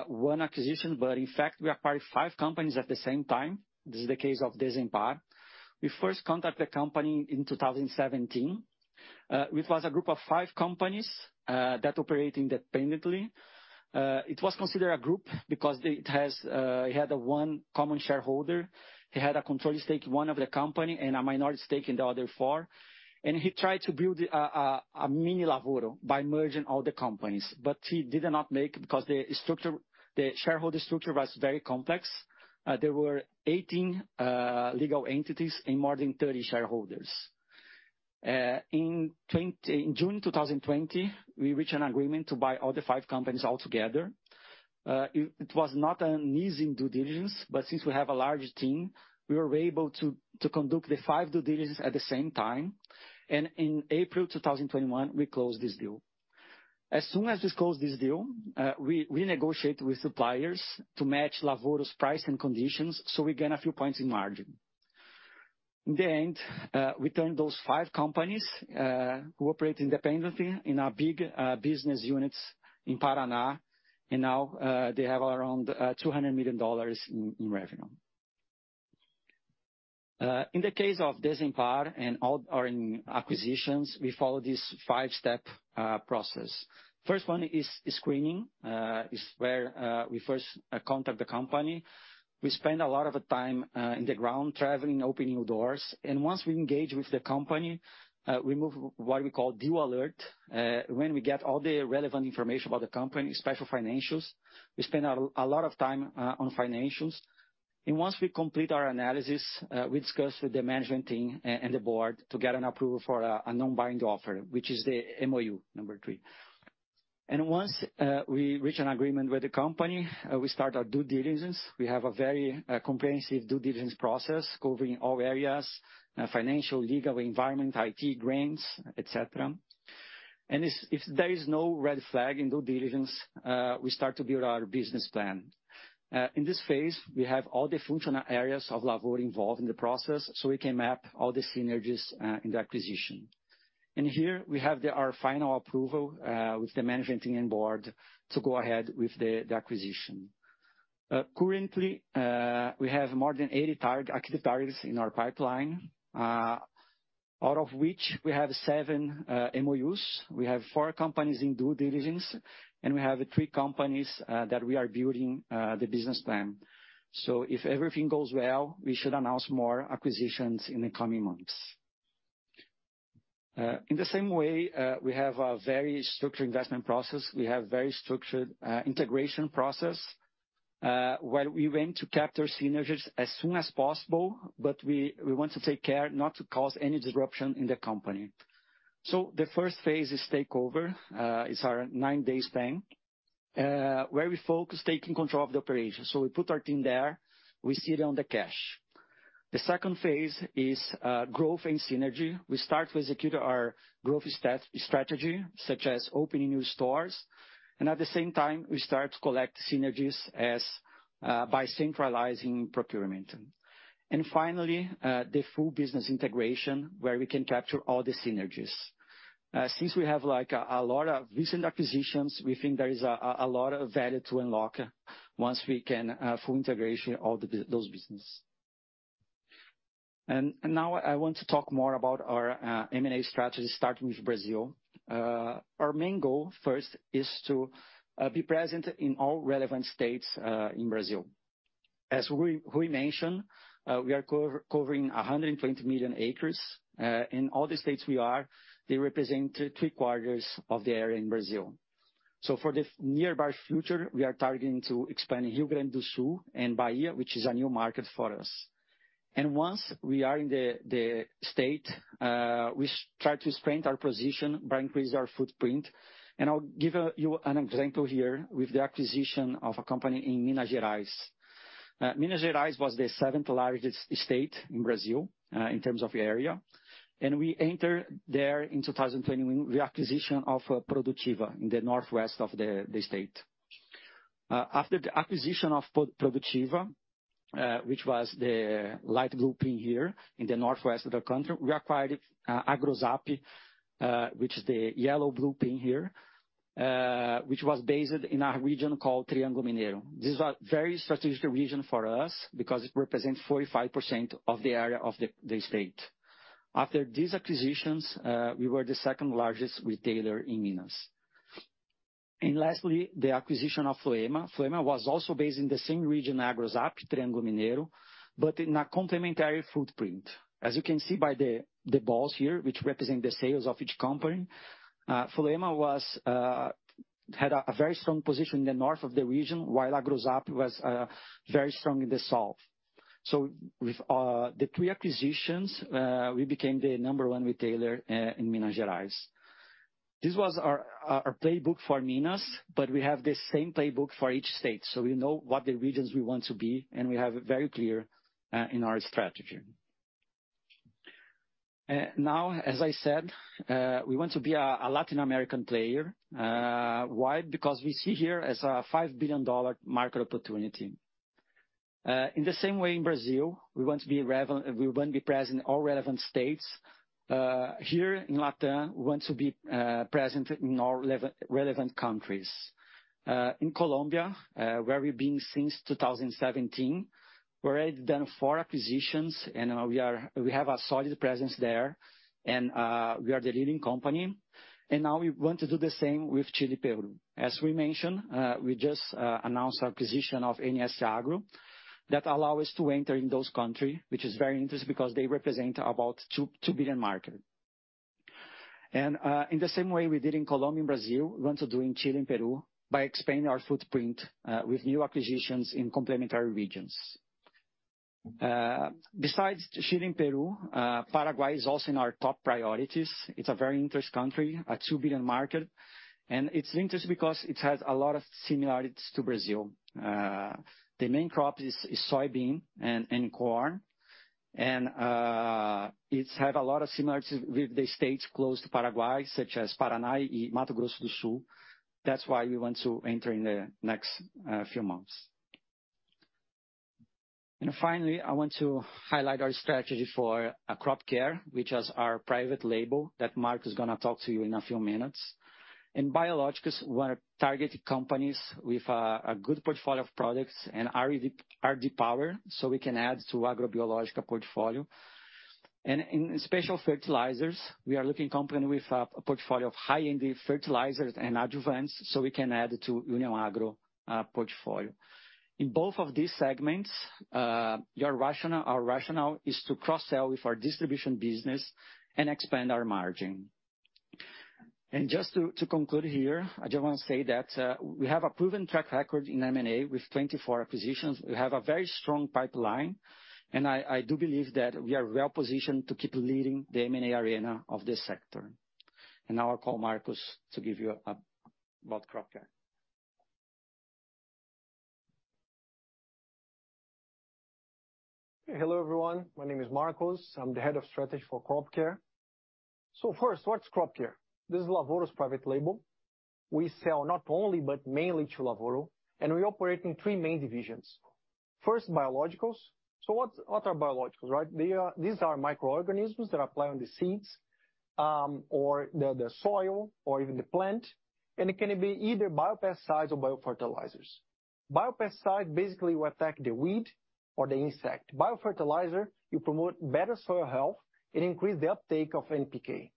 one acquisition, but in fact, we acquired five companies at the same time. This is the case of Disampar. We first contact the company in 2017. It was a group of five companies that operate independently. It was considered a group because it had one common shareholder. It had a controlling stake in one of the company and a minority stake in the other four. He tried to build a mini Lavoro by merging all the companies. He did not make because the structure, the shareholder structure was very complex. There were 18 legal entities and more than 30 shareholders. In June 2020, we reached an agreement to buy all the five companies altogether. It was not an easy due diligence, but since we have a large team, we were able to conduct the five due diligence at the same time. In April 2021, we closed this deal. As soon as we closed this deal, we negotiate with suppliers to match Lavoro's price and conditions, so we gain a few points in margin. In the end, we turned those five companies, who operate independently in our big business units in Paraná, and now they have around $200 million in revenue. In the case of Disampar and all our acquisitions, we follow this five-step process. First one is screening, where we first contact the company. We spend a lot of the time on the ground traveling, opening doors. Once we engage with the company, we move what we call due diligence alert, when we get all the relevant information about the company, especially financials. We spend a lot of time on financials. Once we complete our analysis, we discuss with the management team and the board to get an approval for a non-binding offer, which is the MOU, number three. Once we reach an agreement with the company, we start our due diligence. We have a very comprehensive due diligence process covering all areas, financial, legal, environment, IT, grants, et cetera. If there is no red flag in due diligence, we start to build our business plan. In this phase, we have all the functional areas of Lavoro involved in the process, so we can map all the synergies in the acquisition. Here we have our final approval with the management team and board to go ahead with the acquisition. Currently, we have more than 80 active targets in our pipeline, out of which we have 7 MOUs. We have 4 companies in due diligence, and we have 3 companies that we are building the business plan. If everything goes well, we should announce more acquisitions in the coming months. In the same way, we have a very structured investment process. We have very structured integration process where we want to capture synergies as soon as possible, but we want to take care not to cause any disruption in the company. The first phase is takeover. It's our 9-day span where we focus on taking control of the operation. We put our team there. We sit on the cash. The second phase is growth and synergy. We start to execute our growth strategy, such as opening new stores. At the same time, we start to collect synergies by centralizing procurement. Finally, the full business integration, where we can capture all the synergies. Since we have, like, a lot of recent acquisitions, we think there is a lot of value to unlock once we can fully integrate all those businesses. Now I want to talk more about our M&A strategy, starting with Brazil. Our main goal, first, is to be present in all relevant states in Brazil. As Ruy mentioned, we are covering 100 million acres. In all the states we are, they represent three-quarters of the area in Brazil. For the near future, we are targeting to expand Rio Grande do Sul and Bahia, which is a new market for us. Once we are in the state, we try to strengthen our position by increasing our footprint. I'll give you an example here with the acquisition of a company in Minas Gerais. Minas Gerais was the seventh largest state in Brazil in terms of area. We entered there in 2020 with the acquisition of Produttiva in the northwest of the state. After the acquisition of Produttiva, which was the light blue pin here in the northwest of the country, we acquired AgroZap, which is the yellow blue pin here, which was based in a region called Triângulo Mineiro. This is a very strategic region for us because it represents 45% of the area of the state. After these acquisitions, we were the second-largest retailer in Minas. Lastly, the acquisition of Floema. Floema was also based in the same region as AgroZap, Triângulo Mineiro, but in a complementary footprint. As you can see by the balls here, which represent the sales of each company, Floema had a very strong position in the north of the region, while AgroZap was very strong in the south. With the three acquisitions, we became the number one retailer in Minas Gerais. This was our playbook for Minas, but we have the same playbook for each state. We know what the regions we want to be, and we have it very clear in our strategy. Now, as I said, we want to be a Latin American player. Why? Because we see here as a $5 billion market opportunity. In the same way in Brazil, we want to be present in all relevant states. Here in LatAm, we want to be present in all relevant countries. In Colombia, where we've been since 2017, we've already done four acquisitions, and we have a solid presence there. We are the leading company. Now we want to do the same with Chile, Peru. As we mentioned, we just announced acquisition of NS Agro that allow us to enter in those country, which is very interesting because they represent about 2 billion market. In the same way we did in Colombia and Brazil, we want to do in Chile and Peru by expanding our footprint with new acquisitions in complementary regions. Besides Chile and Peru, Paraguay is also in our top priorities. It's a very interesting country, a 2 billion market, and it's interesting because it has a lot of similarities to Brazil. The main crop is soybean and corn, and it has a lot of similarities with the states close to Paraguay, such as Paraná and Mato Grosso do Sul. That's why we want to enter in the next few months. Finally, I want to highlight our strategy for Crop Care, which is our private label that Marcos is gonna talk to you in a few minutes. In biologicals, we are targeting companies with a good portfolio of products and R&D power, so we can add to Agrobiológica portfolio. In special fertilizers, we are looking for companies with a portfolio of high-end fertilizers and adjuvants, so we can add to União Agro portfolio. In both of these segments, our rationale is to cross-sell with our distribution business and expand our margin. Just to conclude here, I just want to say that we have a proven track record in M&A with 24 acquisitions. We have a very strong pipeline, and I do believe that we are well positioned to keep leading the M&A arena of this sector. Now I call Marcos to give you about Crop Care. Hello, everyone, my name is Marcos. I'm the head of strategy for Crop Care. First, what's Crop Care? This is Lavoro's private label. We sell not only, but mainly to Lavoro, and we operate in three main divisions. First, biologicals. What are biologicals, right? These are microorganisms that are applied on the seeds, or the soil or even the plant, and it can be either biopesticides or biofertilizers. Biopesticide basically will attack the weed or the insect. Biofertilizer will promote better soil health and increase the uptake of NPK.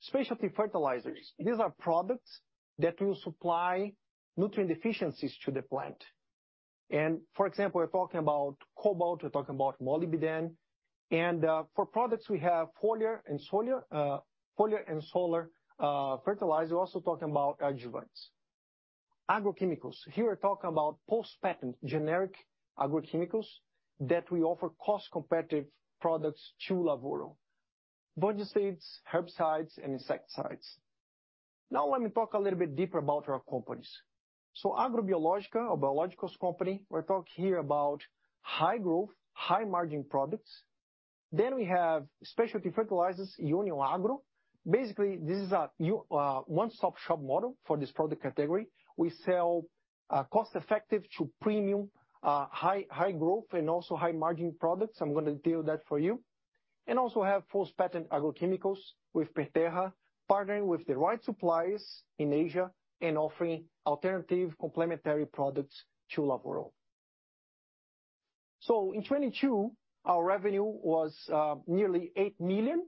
Specialty fertilizers, these are products that will supply nutrient deficiencies to the plant. For example, we're talking about cobalt, we're talking about molybdenum. For products, we have foliar and soil fertilizer. We're also talking about adjuvants. Agrochemicals. Here we're talking about post-patent generic agrochemicals that will offer cost-competitive products to Lavoro. Fungicides, herbicides and insecticides. Now let me talk a little bit deeper about our companies. Agrobiológica, our biologicals company, we're talking here about high growth, high margin products. We have specialty fertilizers, União Agro. Basically, this is a one-stop-shop model for this product category. We sell cost-effective to premium high growth and also high margin products. I'm gonna detail that for you. Also have post-patent agrochemicals with Perterra, partnering with the right suppliers in Asia and offering alternative complementary products to Lavoro. In 2022, our revenue was nearly $8 million,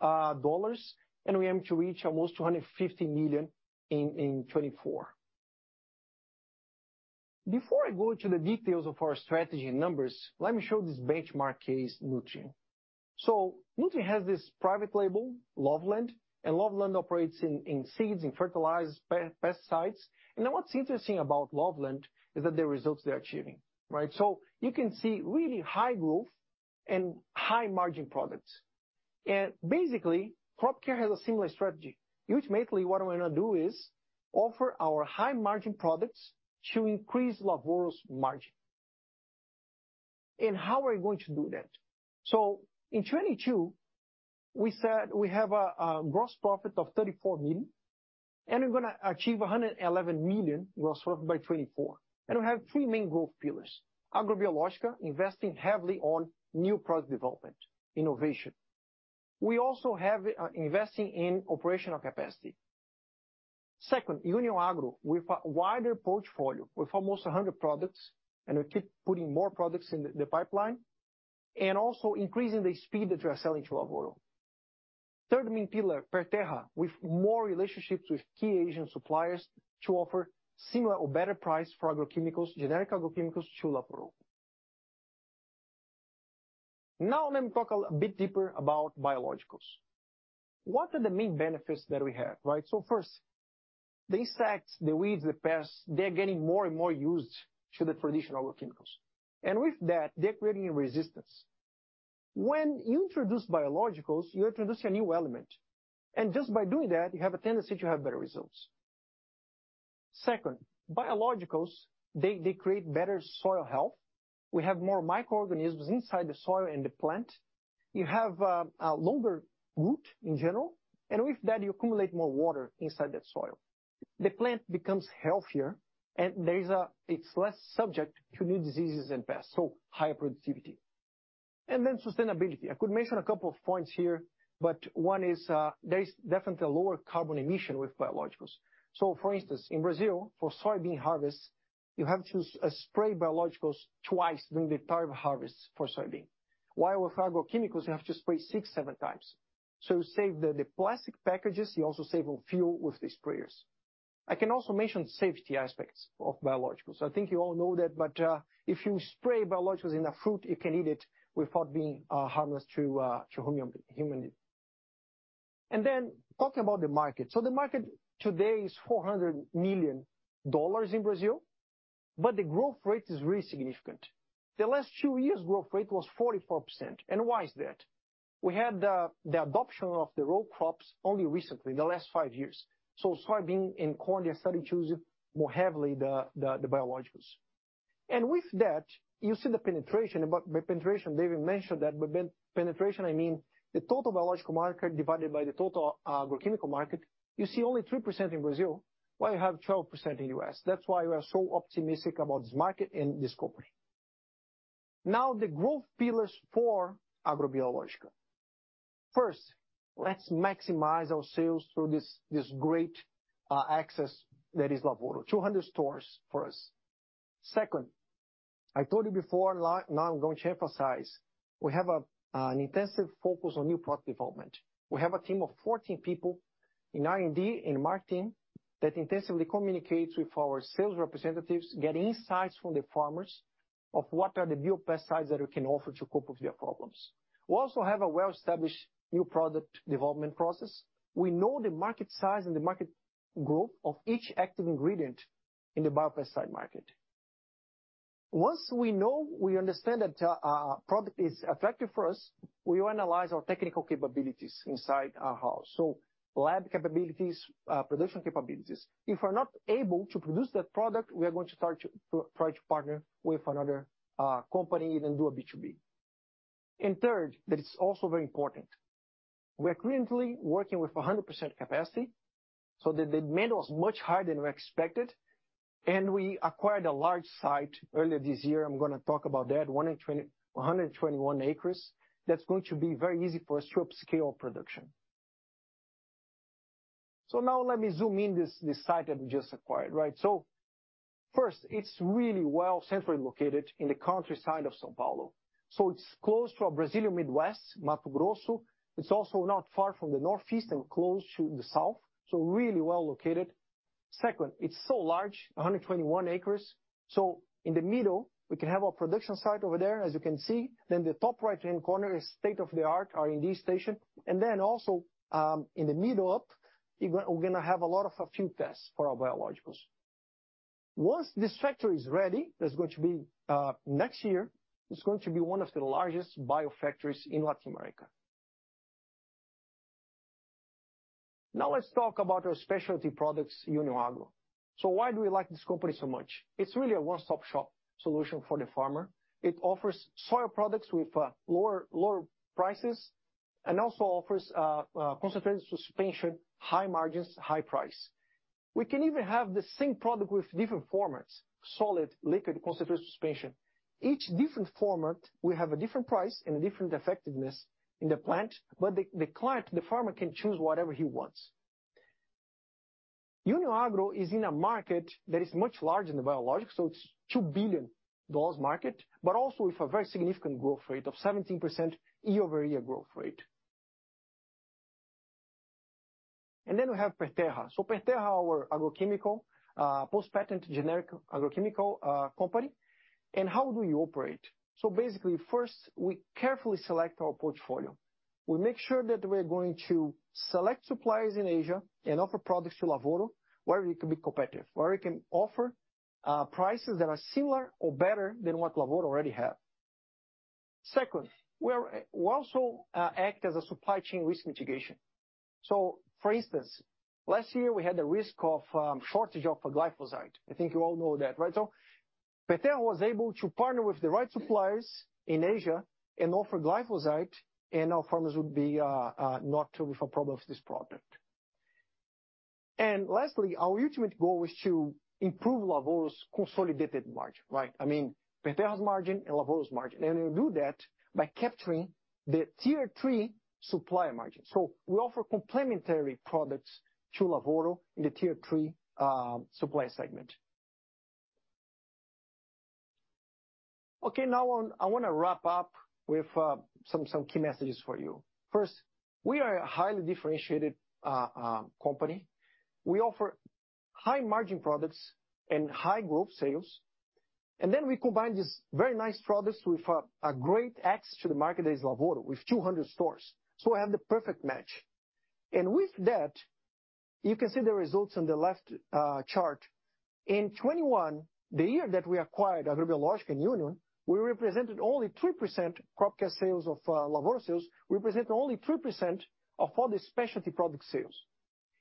and we aim to reach almost $250 million in 2024. Before I go into the details of our strategy and numbers, let me show this benchmark case, Nutrien. Nutrien has this private label, Loveland, and Loveland operates in seeds, in fertilizers, pesticides. What's interesting about Loveland is that the results they're achieving, right? You can see really high growth and high margin products. Basically, Crop Care has a similar strategy. Ultimately, what we're gonna do is offer our high margin products to increase Lavoro's margin. How are we going to do that? In 2022, we said we have a gross profit of 34 million, and we're gonna achieve 111 million gross profit by 2024. We have three main growth pillars. Agrobiológica, investing heavily on new product development, innovation. We also have investing in operational capacity. Second, União Agro with a wider portfolio with almost 100 products, and we keep putting more products in the pipeline and also increasing the speed that we are selling to Lavoro. Third main pillar, Perterra, with more relationships with key Asian suppliers to offer similar or better price for agrochemicals, generic agrochemicals to Lavoro. Now let me talk a little bit deeper about biologicals. What are the main benefits that we have, right? So first, the insects, the weeds, the pests, they're getting more and more used to the traditional agrochemicals. With that, they're creating a resistance. When you introduce biologicals, you introduce a new element. Just by doing that, you have a tendency to have better results. Second, biologicals, they create better soil health. We have more microorganisms inside the soil and the plant. You have a longer root in general, and with that, you accumulate more water inside that soil. The plant becomes healthier, and it's less subject to new diseases and pests, so higher productivity. Sustainability. I could mention a couple of points here, but one is, there is definitely a lower carbon emission with biologicals. For instance, in Brazil, for soybean harvest, you have to spray biologicals twice during the entire harvest for soybean. While with agrochemicals, you have to spray 6-7 times. You save the plastic packages, you also save on fuel with the sprayers. I can also mention safety aspects of biologicals. I think you all know that, but if you spray biologicals in a fruit, you can eat it. It's harmless to humans. Talking about the market. The market today is $400 million in Brazil, but the growth rate is really significant. The last two years' growth rate was 44%. Why is that? We had the adoption of the row crops only recently, in the last five years. Soybean and corn are starting to choose more heavily the biologicals. With that, you see the penetration. By penetration, David mentioned that. By penetration, I mean the total biological market divided by the total agrochemical market, you see only 3% in Brazil, while you have 12% in U.S. That's why we are so optimistic about this market and this company. Now the growth pillars for Agrobiológica. First, let's maximize our sales through this great access that is Lavoro, 200 stores for us. Second, I told you before, now I'm going to emphasize, we have an intensive focus on new product development. We have a team of 14 people in R&D, in marketing that intensively communicates with our sales representatives, get insights from the farmers of what are the new pesticides that we can offer to cope with their problems. We also have a well-established new product development process. We know the market size and the market growth of each active ingredient in the biopesticide market. Once we know we understand that, a product is effective for us, we analyze our technical capabilities inside our house, so lab capabilities, production capabilities. If we're not able to produce that product, we are going to start to try to partner with another company and do a B2B. Third, that is also very important. We're currently working with 100% capacity, so the demand was much higher than we expected and we acquired a large site earlier this year. I'm gonna talk about that, 121 acres. That's going to be very easy for us to upscale production. Now let me zoom in this site that we just acquired, right? First, it's really well centrally located in the countryside of São Paulo. It's close to Brazilian Midwest, Mato Grosso. It's also not far from the Northeast and close to the South, really well located. Second, it's so large, 121 acres. In the middle, we can have our production site over there, as you can see. Then the top right-hand corner is state-of-the-art R&D station. In the middle up, we're going to have a few tests for our biologicals. Once this factory is ready, that's going to be next year, it's going to be one of the largest biofactories in Latin America. Now let's talk about our specialty products, Agro União. Why do we like this company so much? It's really a one-stop shop solution for the farmer. It offers soil products with lower prices and also offers concentrated suspension, high margins, high price. We can even have the same product with different formats, solid, liquid, concentrated suspension. Each different format will have a different price and a different effectiveness in the plant, but the client, the farmer can choose whatever he wants. Agro União is in a market that is much larger than the biologics, so it's a $2 billion market, but also with a very significant growth rate of 17% year-over-year growth rate. Then we have Perterra. Perterra is an agrochemical post-patent generic agrochemical company. How do we operate? Basically, first, we carefully select our portfolio. We make sure that we're going to select suppliers in Asia and offer products to Lavoro, where we can be competitive, where we can offer prices that are similar or better than what Lavoro already have. Second, we also act as a supply chain risk mitigation. For instance, last year we had a risk of shortage of glyphosate. I think you all know that, right? Perterra was able to partner with the right suppliers in Asia and offer glyphosate, and our farmers would be not with a problem of this product. Lastly, our ultimate goal is to improve Lavoro's consolidated margin, right? I mean Perterra's margin and Lavoro's margin. We'll do that by capturing the tier three supplier margin. We offer complementary products to Lavoro in the tier three supplier segment. Okay, now I want to wrap up with some key messages for you. First, we are a highly differentiated company. We offer high margin products and high growth sales. Then we combine these very nice products with a great access to the market as Lavoro with 200 stores. We have the perfect match. With that, you can see the results on the left chart. In 2021, the year that we acquired Agrobiológica and Agro União, we represented only 3% Crop Care sales of Lavoro's sales. Represent only 3% of all the specialty product sales.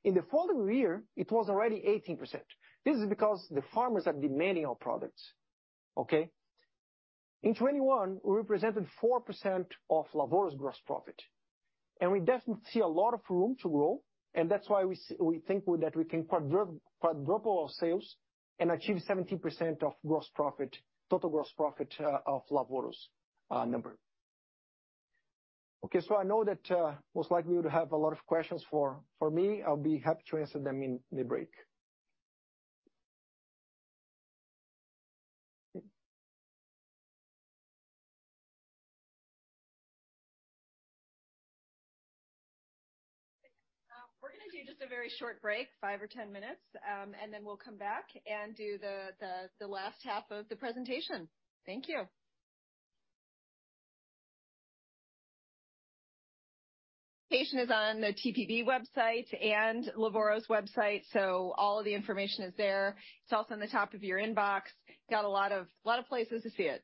In the following year, it was already 18%. This is because the farmers are demanding our products, okay? In 2021, we represented 4% of Lavoro's gross profit, and we definitely see a lot of room to grow and that's why we think that we can quadruple our sales and achieve 17% of gross profit, total gross profit, of Lavoro's number. Okay, so I know that most likely you would have a lot of questions for me. I'll be happy to answer them in the break. We're gonna do just a very short break, 5 or 10 minutes, and then we'll come back and do the last half of the presentation. Thank you. Presentation is on the TPB website and Lavoro's website, so all of the information is there. It's also on the top of your inbox. Got a lot of places to see it.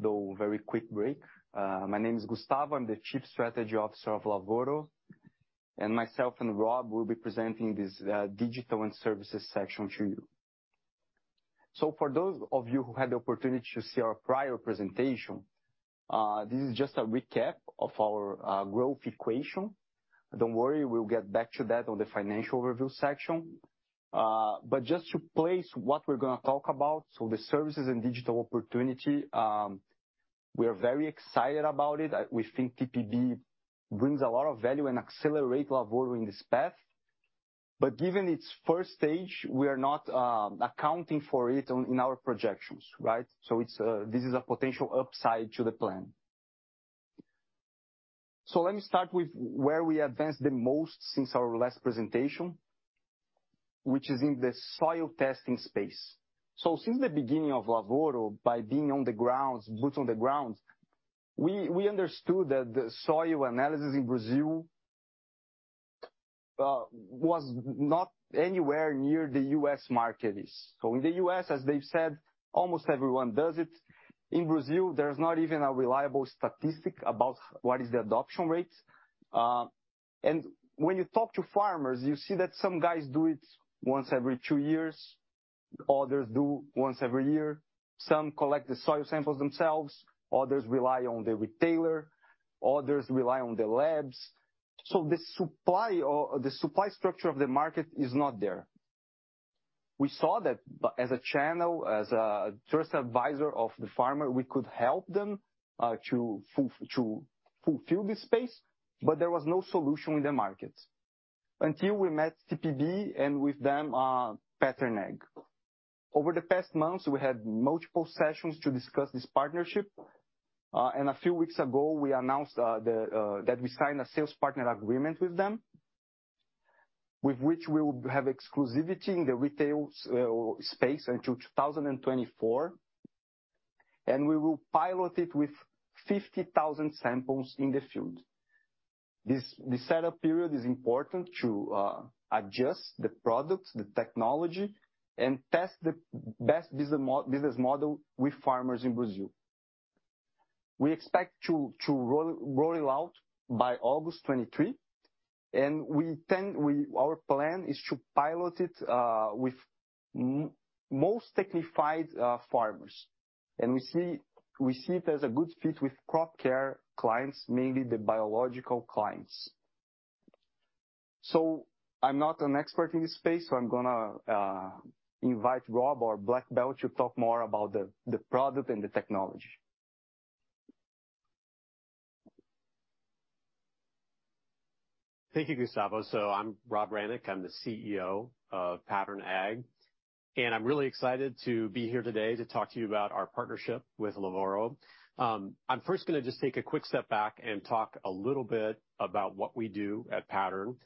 That was a very quick break. My name is Gustavo. I'm the Chief Strategy Officer of Lavoro. Myself and Rob will be presenting this digital and services section to you. For those of you who had the opportunity to see our prior presentation, this is just a recap of our growth equation. Don't worry, we'll get back to that on the financial review section. Just to place what we're gonna talk about, the services and digital opportunity, we are very excited about it. We think TPB brings a lot of value and accelerate Lavoro in this path. Given its first stage, we are not accounting for it in our projections, right? This is a potential upside to the plan. Let me start with where we advanced the most since our last presentation, which is in the soil testing space. Since the beginning of Lavoro, by being on the ground, boots on the ground, we understood that the soil analysis in Brazil was not anywhere near the U.S. market is. In the U.S., as Dave said, almost everyone does it. In Brazil, there's not even a reliable statistic about what is the adoption rate. When you talk to farmers, you see that some guys do it once every two years, others do once every year. Some collect the soil samples themselves, others rely on the retailer, others rely on the labs. The supply structure of the market is not there. We saw that as a channel, as a trust advisor of the farmer, we could help them to fulfill this space, but there was no solution in the market until we met TPB, and with them, Pattern Ag. Over the past months, we had multiple sessions to discuss this partnership. A few weeks ago, we announced that we signed a sales partner agreement with them, with which we will have exclusivity in the retail space until 2024, and we will pilot it with 50,000 samples in the field. This set up period is important to adjust the products, the technology, and test the best business model with farmers in Brazil. We expect to roll it out by August 2023, and we then. Our plan is to pilot it with most technified farmers. We see it as a good fit with Crop Care clients, mainly the biological clients. I'm not an expert in this space, so I'm gonna invite Rob, our black belt, to talk more about the product and the technology. Thank you, Gustavo. I'm Robert Hranac, I'm the CEO of Pattern Ag, and I'm really excited to be here today to talk to you about our partnership with Lavoro. I'm first gonna just take a quick step back and talk a little bit about what we do at Pattern.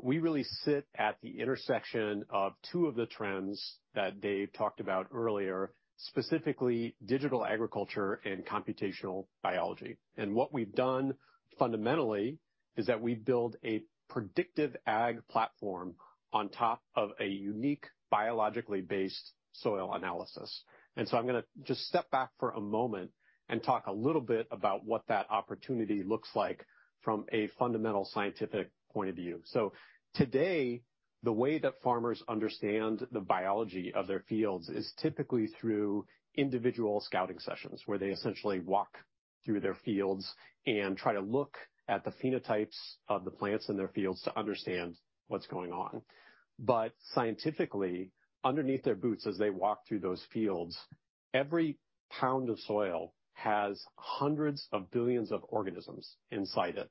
We really sit at the intersection of two of the trends that Dave talked about earlier, specifically digital agriculture and computational biology. What we've done fundamentally is that we build a predictive ag platform on top of a unique biologically-based soil analysis. I'm gonna just step back for a moment and talk a little bit about what that opportunity looks like from a fundamental scientific point of view. Today, the way that farmers understand the biology of their fields is typically through individual scouting sessions, where they essentially walk through their fields and try to look at the phenotypes of the plants in their fields to understand what's going on. Scientifically, underneath their boots as they walk through those fields, every pound of soil has hundreds of billions of organisms inside it,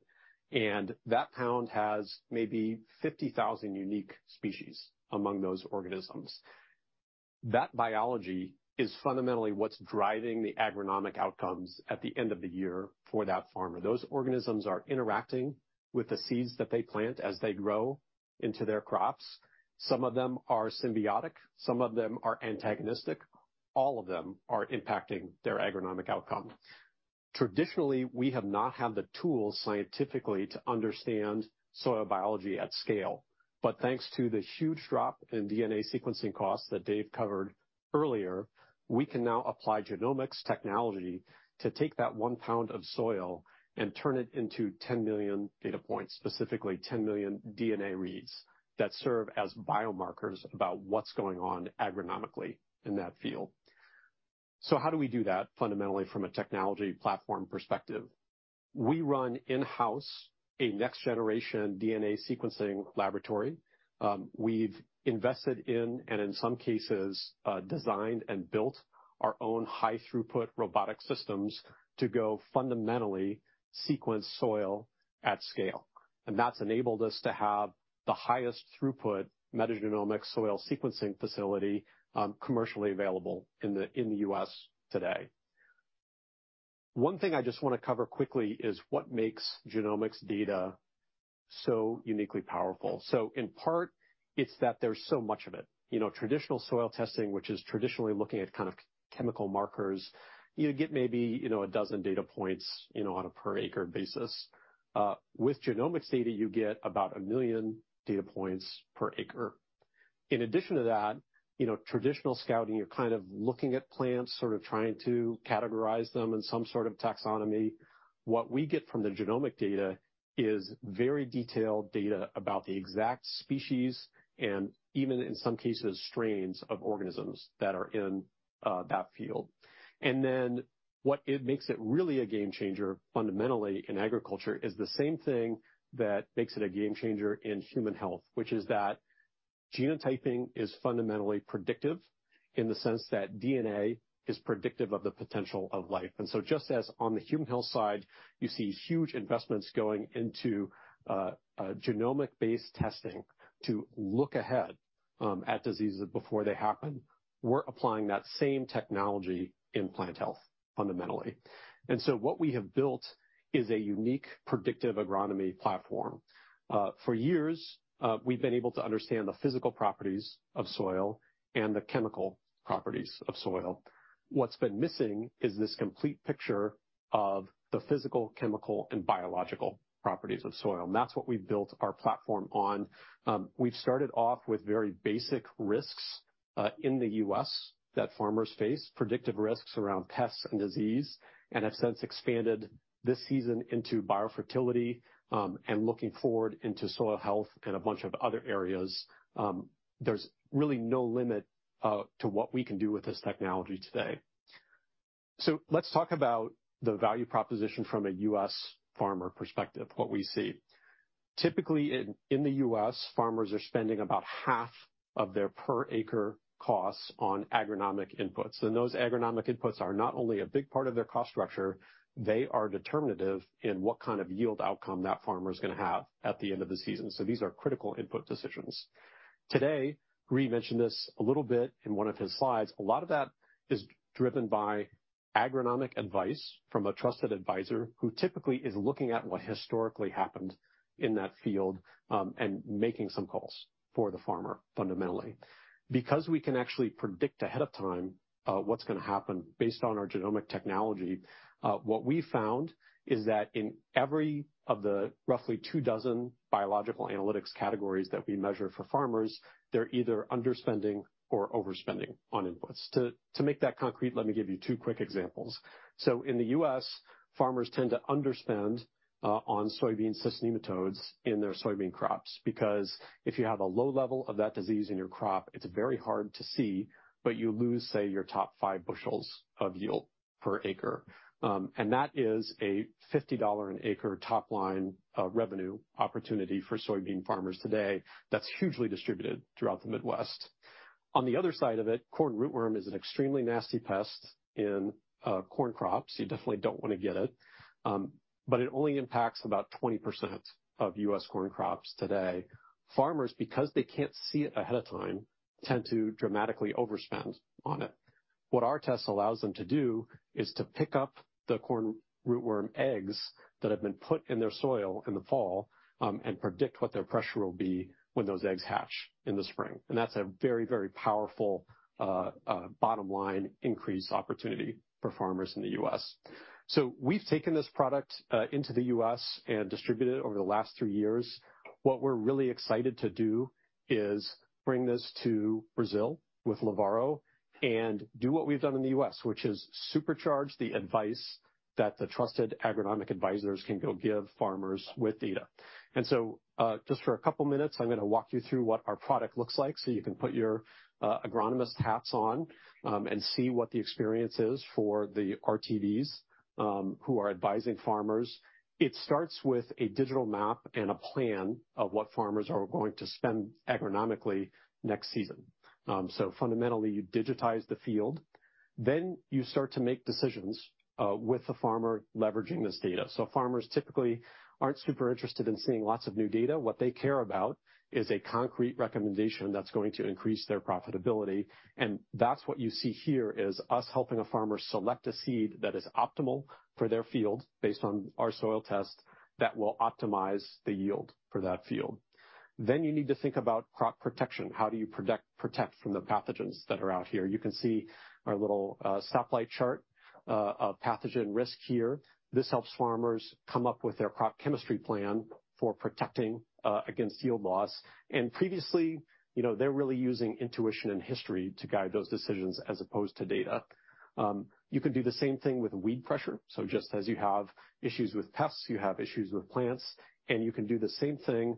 and that pound has maybe 50,000 unique species among those organisms. That biology is fundamentally what's driving the agronomic outcomes at the end of the year for that farmer. Those organisms are interacting with the seeds that they plant as they grow into their crops. Some of them are symbiotic, some of them are antagonistic. All of them are impacting their agronomic outcome. Traditionally, we have not had the tools scientifically to understand soil biology at scale. Thanks to the huge drop in DNA sequencing costs that Dave covered earlier, we can now apply genomics technology to take that 1 pound of soil and turn it into 10 million data points, specifically 10 million DNA reads that serve as biomarkers about what's going on agronomically in that field. How do we do that fundamentally from a technology platform perspective? We run in-house a next generation DNA sequencing laboratory. We've invested in, and in some cases, designed and built our own high throughput robotic systems to go fundamentally sequence soil at scale. That's enabled us to have the highest throughput metagenomic soil sequencing facility, commercially available in the U.S. today. One thing I just wanna cover quickly is what makes genomics data so uniquely powerful. In part, it's that there's so much of it. You know, traditional soil testing, which is traditionally looking at kind of chemical markers, you get maybe, you know, 12 data points, you know, on a per acre basis. With genomics data, you get about 1 million data points per acre. In addition to that, you know, traditional scouting, you're kind of looking at plants, sort of trying to categorize them in some sort of taxonomy. What we get from the genomic data is very detailed data about the exact species and even in some cases, strains of organisms that are in that field. What it makes it really a game changer fundamentally in agriculture is the same thing that makes it a game changer in human health, which is that genotyping is fundamentally predictive in the sense that DNA is predictive of the potential of life. Just as on the human health side, you see huge investments going into genomic-based testing to look ahead at diseases before they happen. We're applying that same technology in plant health fundamentally. What we have built is a unique predictive agronomy platform. For years, we've been able to understand the physical properties of soil and the chemical properties of soil. What's been missing is this complete picture of the physical, chemical, and biological properties of soil, and that's what we've built our platform on. We've started off with very basic risks in the US that farmers face, predictive risks around pests and disease, and have since expanded this season into biofertility, and looking forward into soil health and a bunch of other areas. There's really no limit to what we can do with this technology today. Let's talk about the value proposition from a US farmer perspective, what we see. Typically in the US, farmers are spending about half of their per acre costs on agronomic inputs. Those agronomic inputs are not only a big part of their cost structure, they are determinative in what kind of yield outcome that farmer's gonna have at the end of the season. These are critical input decisions. Today, Ruy mentioned this a little bit in one of his slides. A lot of that is driven by agronomic advice from a trusted advisor who typically is looking at what historically happened in that field, and making some calls for the farmer fundamentally. Because we can actually predict ahead of time, what's gonna happen based on our genomic technology, what we found is that in every of the roughly two dozen biological analytics categories that we measure for farmers, they're either underspending or overspending on inputs. To make that concrete, let me give you two quick examples. In the U.S., farmers tend to underspend on soybean cyst nematodes in their soybean crops, because if you have a low level of that disease in your crop, it's very hard to see, but you lose, say, your top five bushels of yield per acre. And that is a $50-an-acre top line revenue opportunity for soybean farmers today that's hugely distributed throughout the Midwest. On the other side of it, corn rootworm is an extremely nasty pest in corn crops. You definitely don't wanna get it. But it only impacts about 20% of US corn crops today. Farmers, because they can't see it ahead of time, tend to dramatically overspend on it. What our test allows them to do is to pick up the corn rootworm eggs that have been put in their soil in the fall, and predict what their pressure will be when those eggs hatch in the spring. That's a very, very powerful bottom line increase opportunity for farmers in the US. We've taken this product into the US and distributed it over the last 3 years. What we're really excited to do is bring this to Brazil with Lavoro and do what we've done in the US, which is supercharge the advice that the trusted agronomic advisors can go give farmers with data. Just for a couple minutes, I'm gonna walk you through what our product looks like, so you can put your agronomist hats on, and see what the experience is for the RTVs, who are advising farmers. It starts with a digital map and a plan of what farmers are going to spend agronomically next season. Fundamentally, you digitize the field, then you start to make decisions with the farmer leveraging this data. Farmers typically aren't super interested in seeing lots of new data. What they care about is a concrete recommendation that's going to increase their profitability, and that's what you see here is us helping a farmer select a seed that is optimal for their field based on our soil test that will optimize the yield for that field. Then you need to think about crop protection. How do you protect from the pathogens that are out here? You can see our little stoplight chart of pathogen risk here. This helps farmers come up with their crop chemistry plan for protecting against yield loss. Previously, you know, they're really using intuition and history to guide those decisions as opposed to data. You can do the same thing with weed pressure. Just as you have issues with pests, you have issues with plants, and you can do the same thing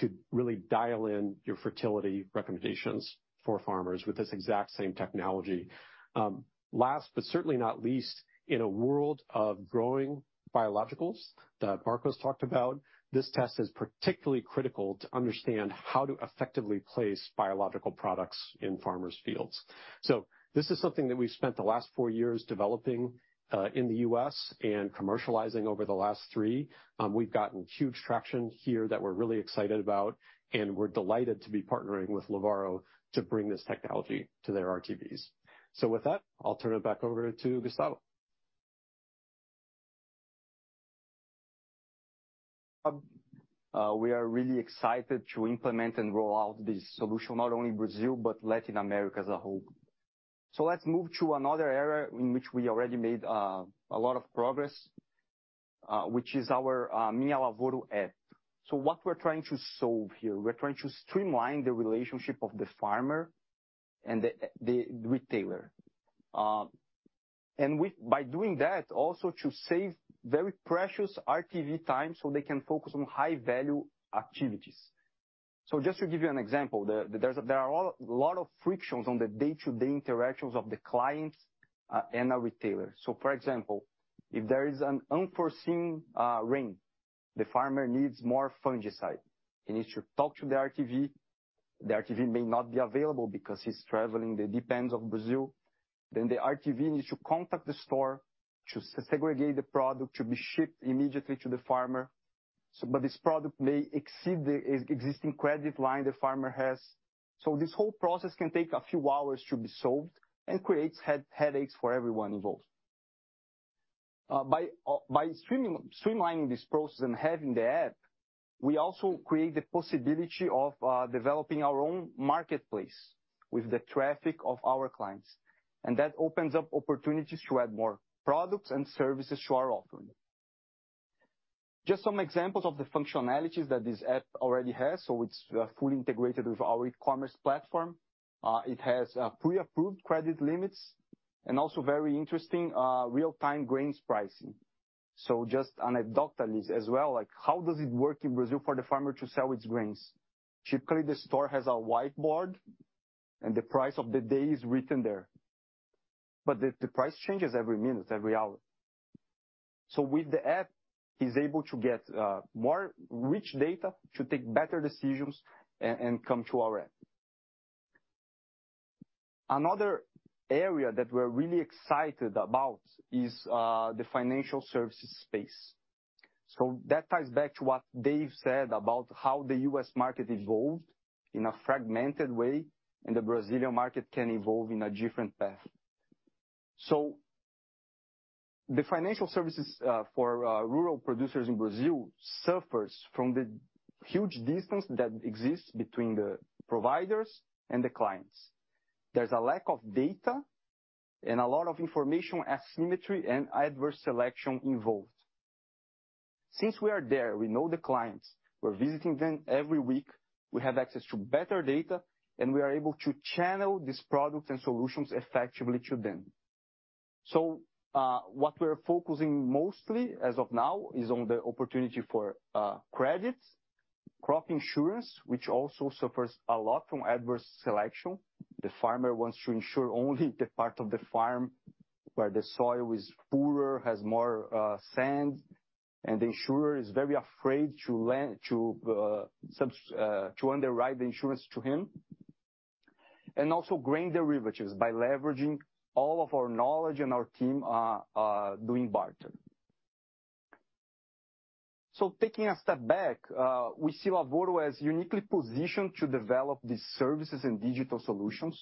to really dial in your fertility recommendations for farmers with this exact same technology. Last but certainly not least, in a world of growing biologicals that Marcos talked about, this test is particularly critical to understand how to effectively place biological products in farmers' fields. This is something that we've spent the last four years developing in the U.S. and commercializing over the last three. We've gotten huge traction here that we're really excited about, and we're delighted to be partnering with Lavoro to bring this technology to their RTVs. With that, I'll turn it back over to Gustavo. We are really excited to implement and roll out this solution, not only Brazil, but Latin America as a whole. Let's move to another area in which we already made a lot of progress, which is our Minha Lavoro app. What we're trying to solve here, we're trying to streamline the relationship of the farmer and the retailer. By doing that, also to save very precious RTV time so they can focus on high-value activities. Just to give you an example, there are a lot of frictions on the day-to-day interactions of the clients and our retailers. For example, if there is an unforeseen rain, the farmer needs more fungicide. He needs to talk to the RTV. The RTV may not be available because he's traveling the deep ends of Brazil. The RTV needs to contact the store to segregate the product to be shipped immediately to the farmer. This product may exceed the existing credit line the farmer has. This whole process can take a few hours to be solved and creates headaches for everyone involved. By streamlining this process and having the app, we also create the possibility of developing our own marketplace with the traffic of our clients. That opens up opportunities to add more products and services to our offering. Just some examples of the functionalities that this app already has. It's fully integrated with our e-commerce platform. It has pre-approved credit limits, and also very interesting, real-time grains pricing. Just anecdotally as well, like how does it work in Brazil for the farmer to sell his grains? Typically, the store has a whiteboard, and the price of the day is written there. The price changes every minute, every hour. With the app, he's able to get more rich data to take better decisions and come to our app. Another area that we're really excited about is the financial services space. That ties back to what Dave said about how the U.S. market evolved in a fragmented way, and the Brazilian market can evolve in a different path. The financial services for rural producers in Brazil suffers from the huge distance that exists between the providers and the clients. There's a lack of data and a lot of information asymmetry and adverse selection involved. Since we are there, we know the clients, we're visiting them every week, we have access to better data, and we are able to channel these products and solutions effectively to them. What we're focusing mostly as of now is on the opportunity for credits, crop insurance, which also suffers a lot from adverse selection. The farmer wants to insure only the part of the farm where the soil is poorer, has more sand, and the insurer is very afraid to underwrite the insurance to him. Also grain derivatives by leveraging all of our knowledge and our team, doing barter. Taking a step back, we see Lavoro as uniquely positioned to develop these services and digital solutions,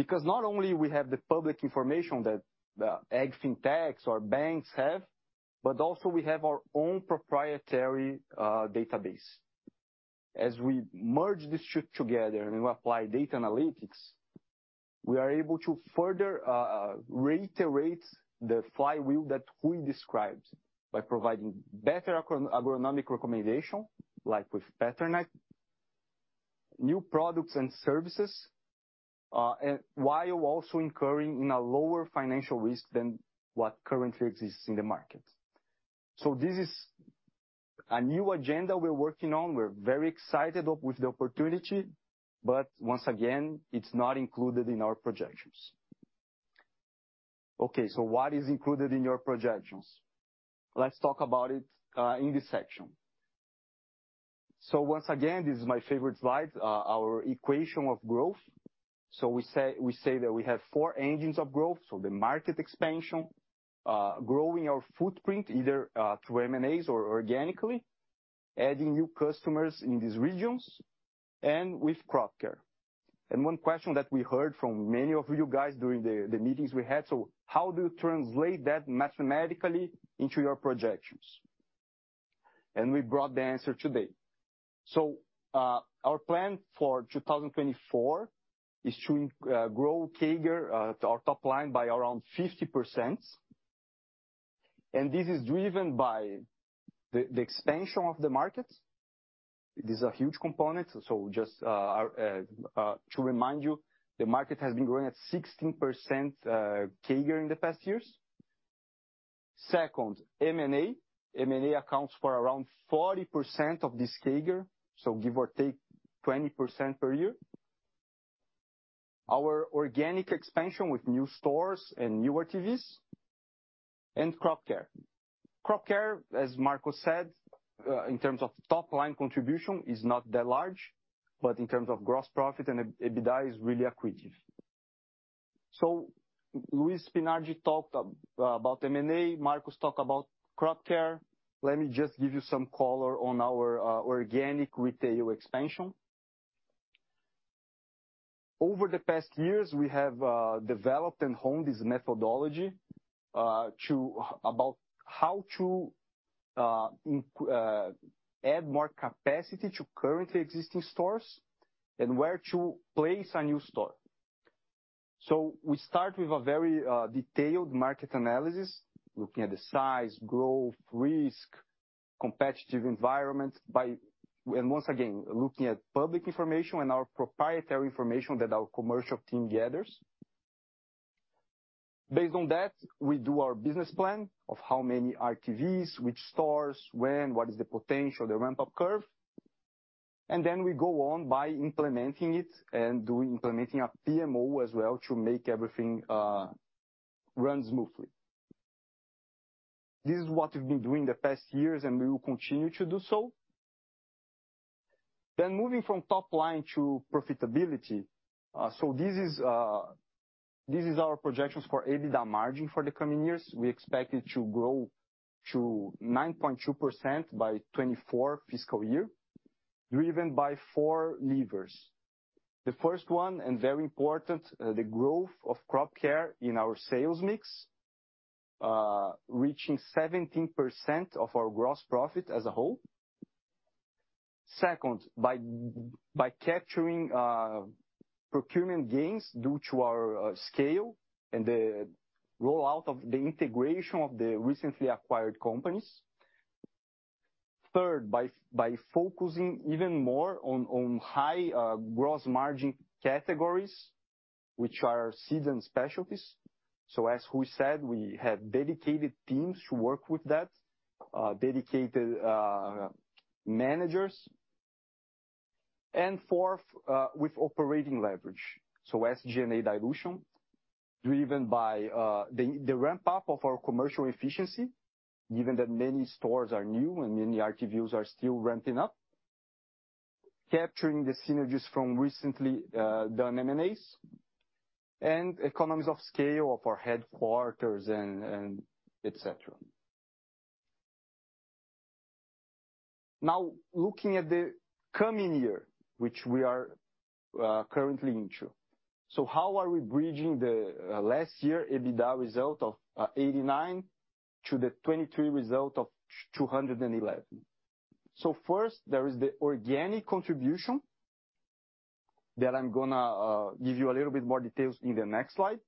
because not only we have the public information that AgTechs or banks have, but also we have our own proprietary database. As we merge the two together and we apply data analytics, we are able to further reiterate the flywheel that Ruy described by providing better agronomic recommendation, like with Pattern Ag, new products and services, and while also incurring in a lower financial risk than what currently exists in the market. This is a new agenda we're working on. We're very excited with the opportunity, but once again, it's not included in our projections. Okay, what is included in your projections? Let's talk about it in this section. Once again, this is my favorite slide, our equation of growth. We say that we have four engines of growth. The market expansion, growing our footprint either through M&As or organically, adding new customers in these regions, and with Crop Care. One question that we heard from many of you guys during the meetings we had, so how do you translate that mathematically into your projections? We brought the answer today. Our plan for 2024 is to grow CAGR our top line by around 50%. This is driven by the expansion of the market. This is a huge component. Just to remind you, the market has been growing at 16% CAGR in the past years. Second, M&A. M&A accounts for around 40% of this CAGR, so give or take 20% per year. Our organic expansion with new stores and new RTVs and Crop Care. Crop Care, as Marcos said, in terms of top-line contribution, is not that large, but in terms of gross profit and EBITDA is really accretive. Luis Spinardi talked about M&A, Marcos talked about Crop Care. Let me just give you some color on our organic retail expansion. Over the past years, we have developed and honed this methodology about how to add more capacity to currently existing stores and where to place a new store. We start with a very detailed market analysis, looking at the size, growth, risk, competitive environment by, and once again, looking at public information and our proprietary information that our commercial team gathers. Based on that, we do our business plan of how many RTVs, which stores, when, what is the potential, the ramp-up curve. We go on by implementing it and implementing a PMO as well to make everything run smoothly. This is what we've been doing the past years, and we will continue to do so. Moving from top line to profitability. This is our projections for EBITDA margin for the coming years. We expect it to grow to 9.2% by 2024 fiscal year, driven by four levers. The first one, and very important, the growth of Crop Care in our sales mix, reaching 17% of our gross profit as a whole. Second, by capturing procurement gains due to our scale and the rollout of the integration of the recently acquired companies. Third, by focusing even more on high gross margin categories, which are seeds and specialties. As we said, we have dedicated teams to work with that, dedicated managers. Fourth, with operating leverage, so SG&A dilution, driven by the ramp-up of our commercial efficiency, given that many stores are new and many RTVs are still ramping up. Capturing the synergies from recently done M&As and economies of scale of our headquarters and et cetera. Now looking at the coming year, which we are currently into. How are we bridging the last year EBITDA result of 89 to the 2022 result of 211? First, there is the organic contribution that I'm gonna give you a little bit more details in the next slide.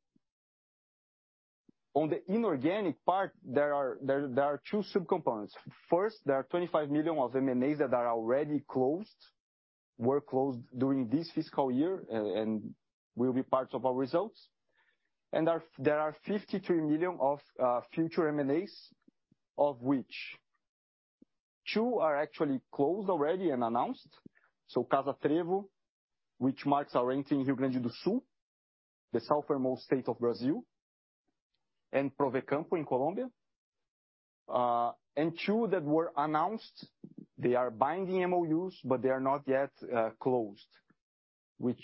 On the inorganic part, there are 2 subcomponents. First, there are 25 million of M&As that are already closed, were closed during this fiscal year and will be part of our results. There are 53 million of future M&As, of which 2 are actually closed already and announced. Casa Trevo, which marks our entry in Rio Grande do Sul, the southernmost state of Brazil, and Provecampo in Colombia. 2 that were announced, they are binding MOUs, but they are not yet closed. We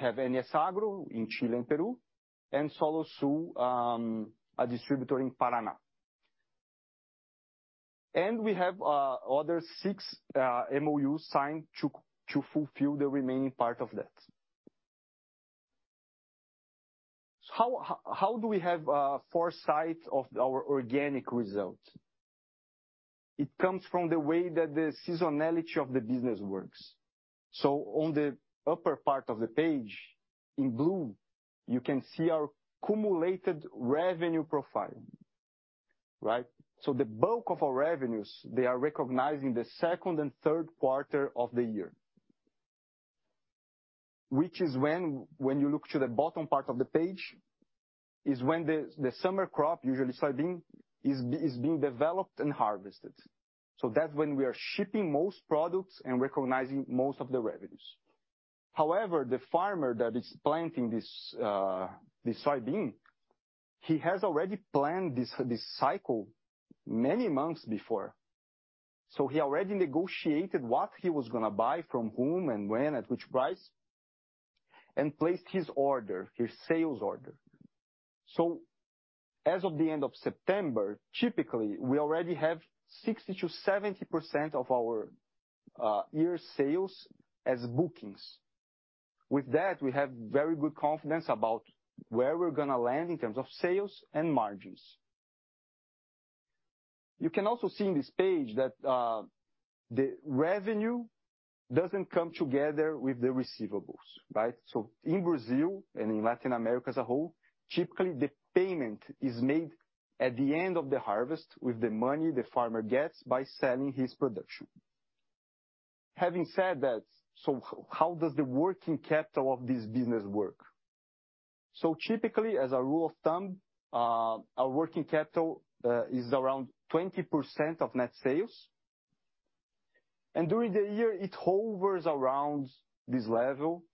have NS Agro in Chile and Peru, and Sollo Sul, a distributor in Paraná. We have other 6 MOUs signed to fulfill the remaining part of that. How do we have foresight of our organic results? It comes from the way that the seasonality of the business works. On the upper part of the page, in blue, you can see our cumulative revenue profile, right? The bulk of our revenues, they are recognized in the second and third quarter of the year. Which is when you look to the bottom part of the page, is when the summer crop, usually soybean, is being developed and harvested. That's when we are shipping most products and recognizing most of the revenues. However, the farmer that is planting this soybean, he has already planned this cycle many months before. He already negotiated what he was gonna buy from whom and when, at which price, and placed his order, his sales order. As of the end of September, typically, we already have 60%-70% of our year sales as bookings. With that, we have very good confidence about where we're gonna land in terms of sales and margins. You can also see in this page that the revenue doesn't come together with the receivables, right? In Brazil and in Latin America as a whole, typically the payment is made at the end of the harvest with the money the farmer gets by selling his production. Having said that, how does the working capital of this business work? Typically, as a rule of thumb, our working capital is around 20% of net sales. During the year, it hovers around this level,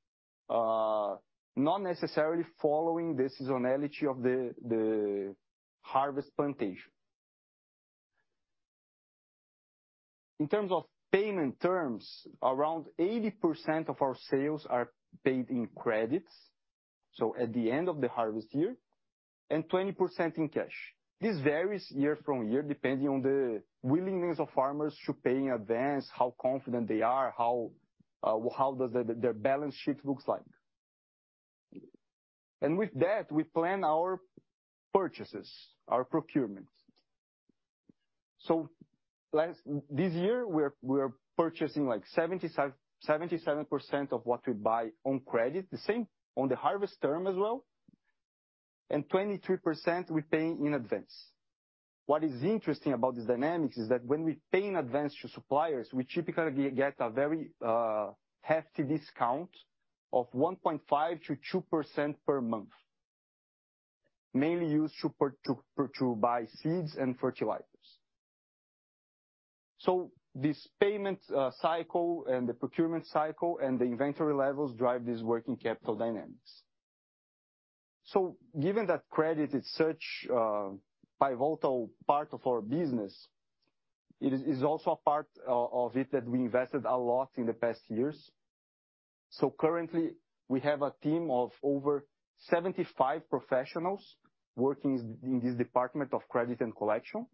not necessarily following the seasonality of the harvest plantation. In terms of payment terms, around 80% of our sales are paid in credits. At the end of the harvest year and 20% in cash. This varies year to year, depending on the willingness of farmers to pay in advance, how confident they are, how their balance sheet looks like. With that, we plan our purchases, our procurements. This year, we're purchasing like 77% of what we buy on credit, the same on the harvest term as well, and 23% we pay in advance. What is interesting about this dynamic is that when we pay in advance to suppliers, we typically get a very hefty discount of 1.5%-2% per month, mainly used to buy seeds and fertilizers. This payment cycle and the procurement cycle and the inventory levels drive these working capital dynamics. Given that credit is such a pivotal part of our business, it is also a part of it that we invested a lot in the past years. Currently, we have a team of over 75 professionals working in this department of credit and collection.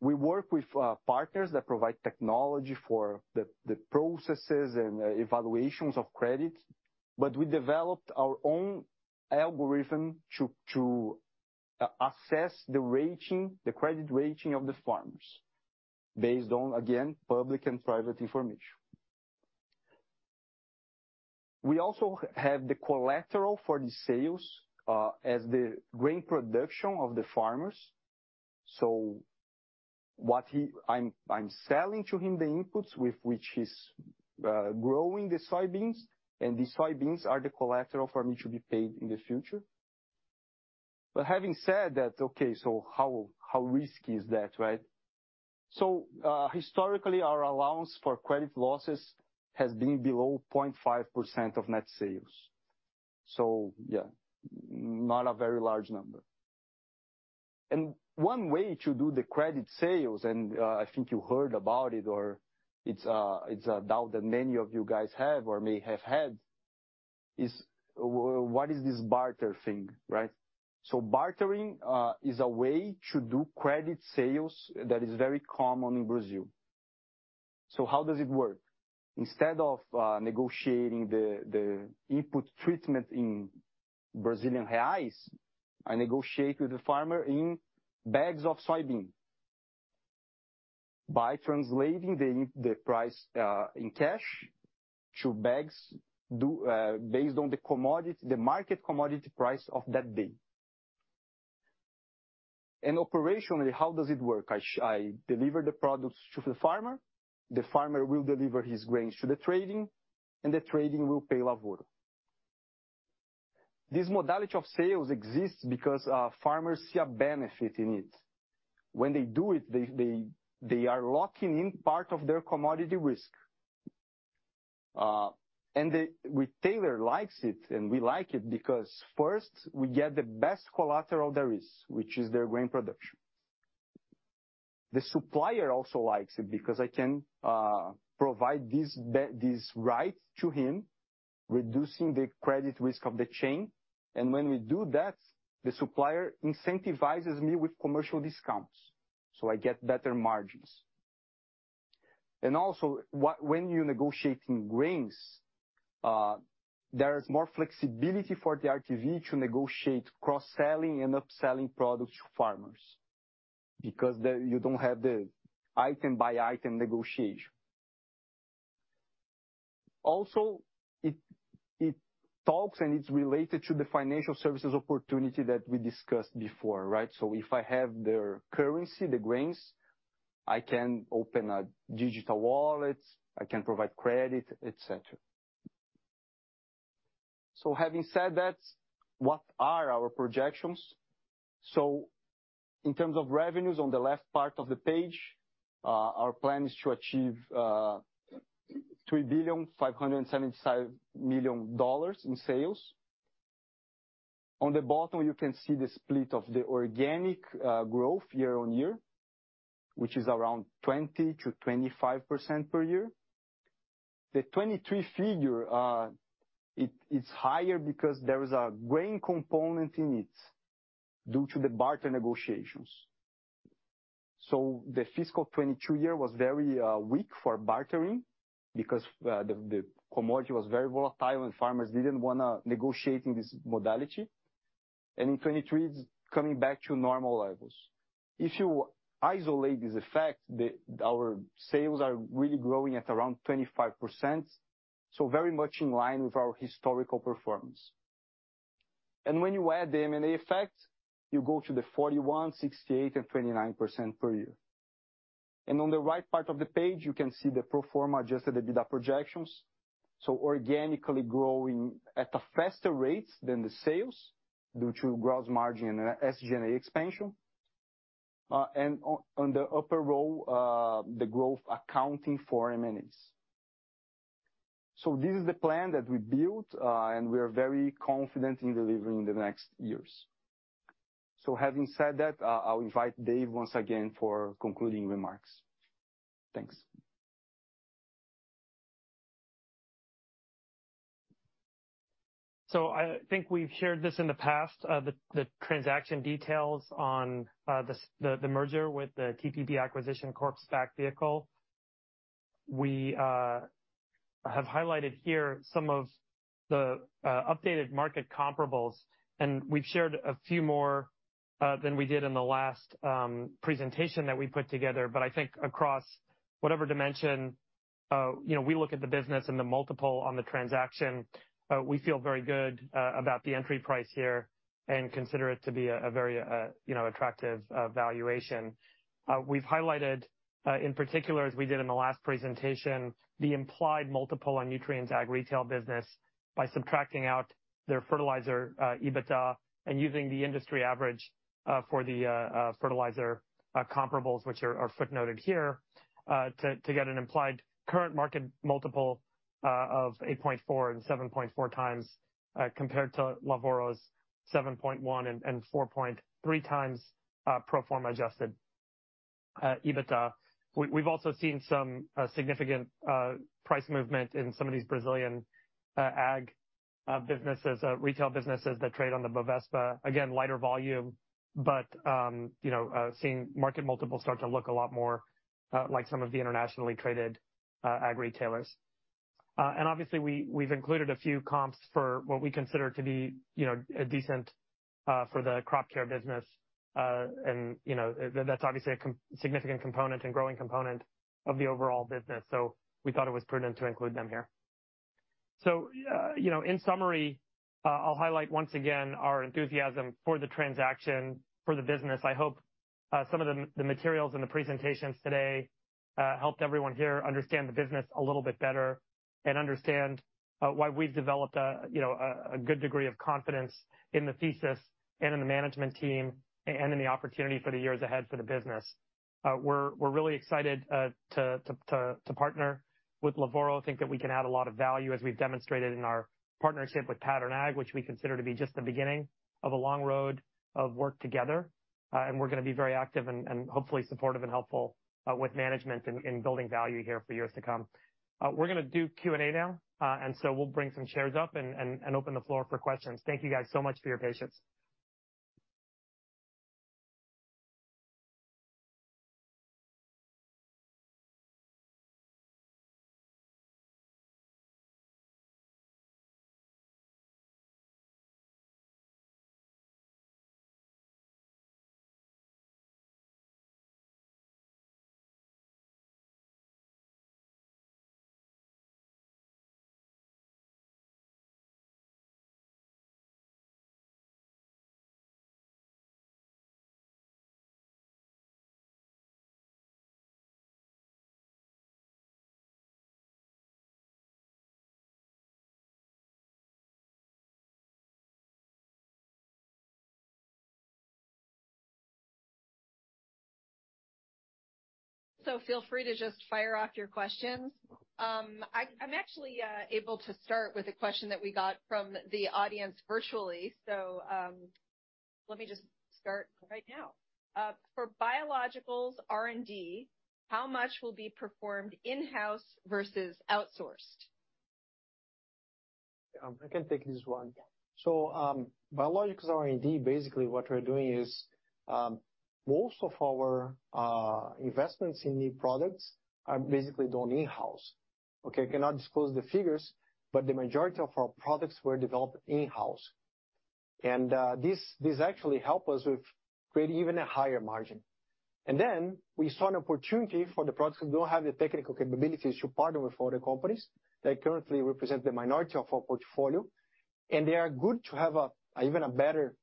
We work with partners that provide technology for the processes and evaluations of credit, but we developed our own algorithm to assess the rating, the credit rating of the farmers based on, again, public and private information. We also have the collateral for the sales as the grain production of the farmers. I'm selling to him the inputs with which he's growing the soybeans, and the soybeans are the collateral for me to be paid in the future. Having said that, how risky is that, right? Historically, our allowance for credit losses has been below 0.5% of net sales. Yeah, not a very large number. One way to do the credit sales, I think you heard about it, or it's a doubt that many of you guys have or may have had is, what is this barter thing, right? Bartering is a way to do credit sales that is very common in Brazil. How does it work? Instead of negotiating the input treatment in Brazilian reais, I negotiate with the farmer in bags of soybeans. By translating the price in cash to bags of based on the commodity, the market commodity price of that day. Operationally, how does it work? I deliver the products to the farmer, the farmer will deliver his grains to the trading, and the trading will pay Lavoro. This modality of sales exists because farmers see a benefit in it. When they do it, they are locking in part of their commodity risk. The retailer likes it, and we like it because first we get the best collateral there is, which is their grain production. The supplier also likes it because I can provide this right to him, reducing the credit risk of the chain. When we do that, the supplier incentivizes me with commercial discounts, so I get better margins. When you're negotiating grains, there is more flexibility for the RTV to negotiate cross-selling and upselling products to farmers because you don't have the item-by-item negotiation. It talks and it's related to the financial services opportunity that we discussed before, right? If I have their currency, the grains, I can open a digital wallet, I can provide credit, et cetera. Having said that, what are our projections? In terms of revenues on the left part of the page, our plan is to achieve $3.576 billion in sales. On the bottom, you can see the split of the organic growth year-over-year, which is around 20%-25% per year. The 2023 figure, it's higher because there is a grain component in it due to the barter negotiations. The fiscal 2022 year was very weak for bartering because the commodity was very volatile and farmers didn't wanna negotiate in this modality. In 2023, it's coming back to normal levels. If you isolate this effect, our sales are really growing at around 25%, so very much in line with our historical performance. When you add the M&A effect, you go to the 41%, 68%, and 29% per year. On the right part of the page, you can see the pro forma adjusted EBITDA projections. Organically growing at a faster rate than the sales due to gross margin and SG&A expansion. On the upper row, the growth accounting for M&As. This is the plan that we built, and we are very confident in delivering the next years. Having said that, I'll invite Dave once again for concluding remarks. Thanks. I think we've shared this in the past, the transaction details on the merger with the TPB Acquisition Corp. SPAC vehicle. We have highlighted here some of the updated market comparables, and we've shared a few more than we did in the last presentation that we put together. I think across whatever dimension, you know, we look at the business and the multiple on the transaction, we feel very good about the entry price here and consider it to be a very, you know, attractive valuation. We've highlighted in particular as we did in the last presentation, the implied multiple on Nutrien's Ag Retail business by subtracting out their fertilizer EBITDA and using the industry average for the fertilizer comparables, which are footnoted here, to get an implied current market multiple of 8.4x and 7.4x compared to Lavoro's 7.1x and 4.3x pro forma adjusted EBITDA. We've also seen some significant price movement in some of these Brazilian ag retail businesses that trade on the Bovespa. Again, lighter volume, but you know seeing market multiples start to look a lot more like some of the internationally traded ag retailers. Obviously we've included a few comps for what we consider to be, you know, a decent for the Crop Care business. You know, that's obviously a significant component and growing component of the overall business. We thought it was prudent to include them here. You know, in summary, I'll highlight once again our enthusiasm for the transaction, for the business. I hope some of the materials and the presentations today helped everyone here understand the business a little bit better and understand why we've developed a, you know, a good degree of confidence in the thesis and in the management team and in the opportunity for the years ahead for the business. We're really excited to partner with Lavoro, think that we can add a lot of value as we've demonstrated in our partnership with Pattern Ag, which we consider to be just the beginning of a long road of work together. We're gonna be very active and hopefully supportive and helpful with management in building value here for years to come. We're gonna do Q&A now. We'll bring some chairs up and open the floor for questions. Thank you guys so much for your patience. Feel free to just fire off your questions. I'm actually able to start with a question that we got from the audience virtually. Let me just start right now. For biologicals R&D, how much will be performed in-house versus outsourced? I can take this one. Biologicals R&D, basically what we're doing is, most of our investments in new products are basically done in-house. Okay, I cannot disclose the figures, but the majority of our products were developed in-house. This actually help us with creating even a higher margin. We saw an opportunity for the products that don't have the technical capabilities to partner with other companies that currently represent the minority of our portfolio, and they are good to have a, even a better,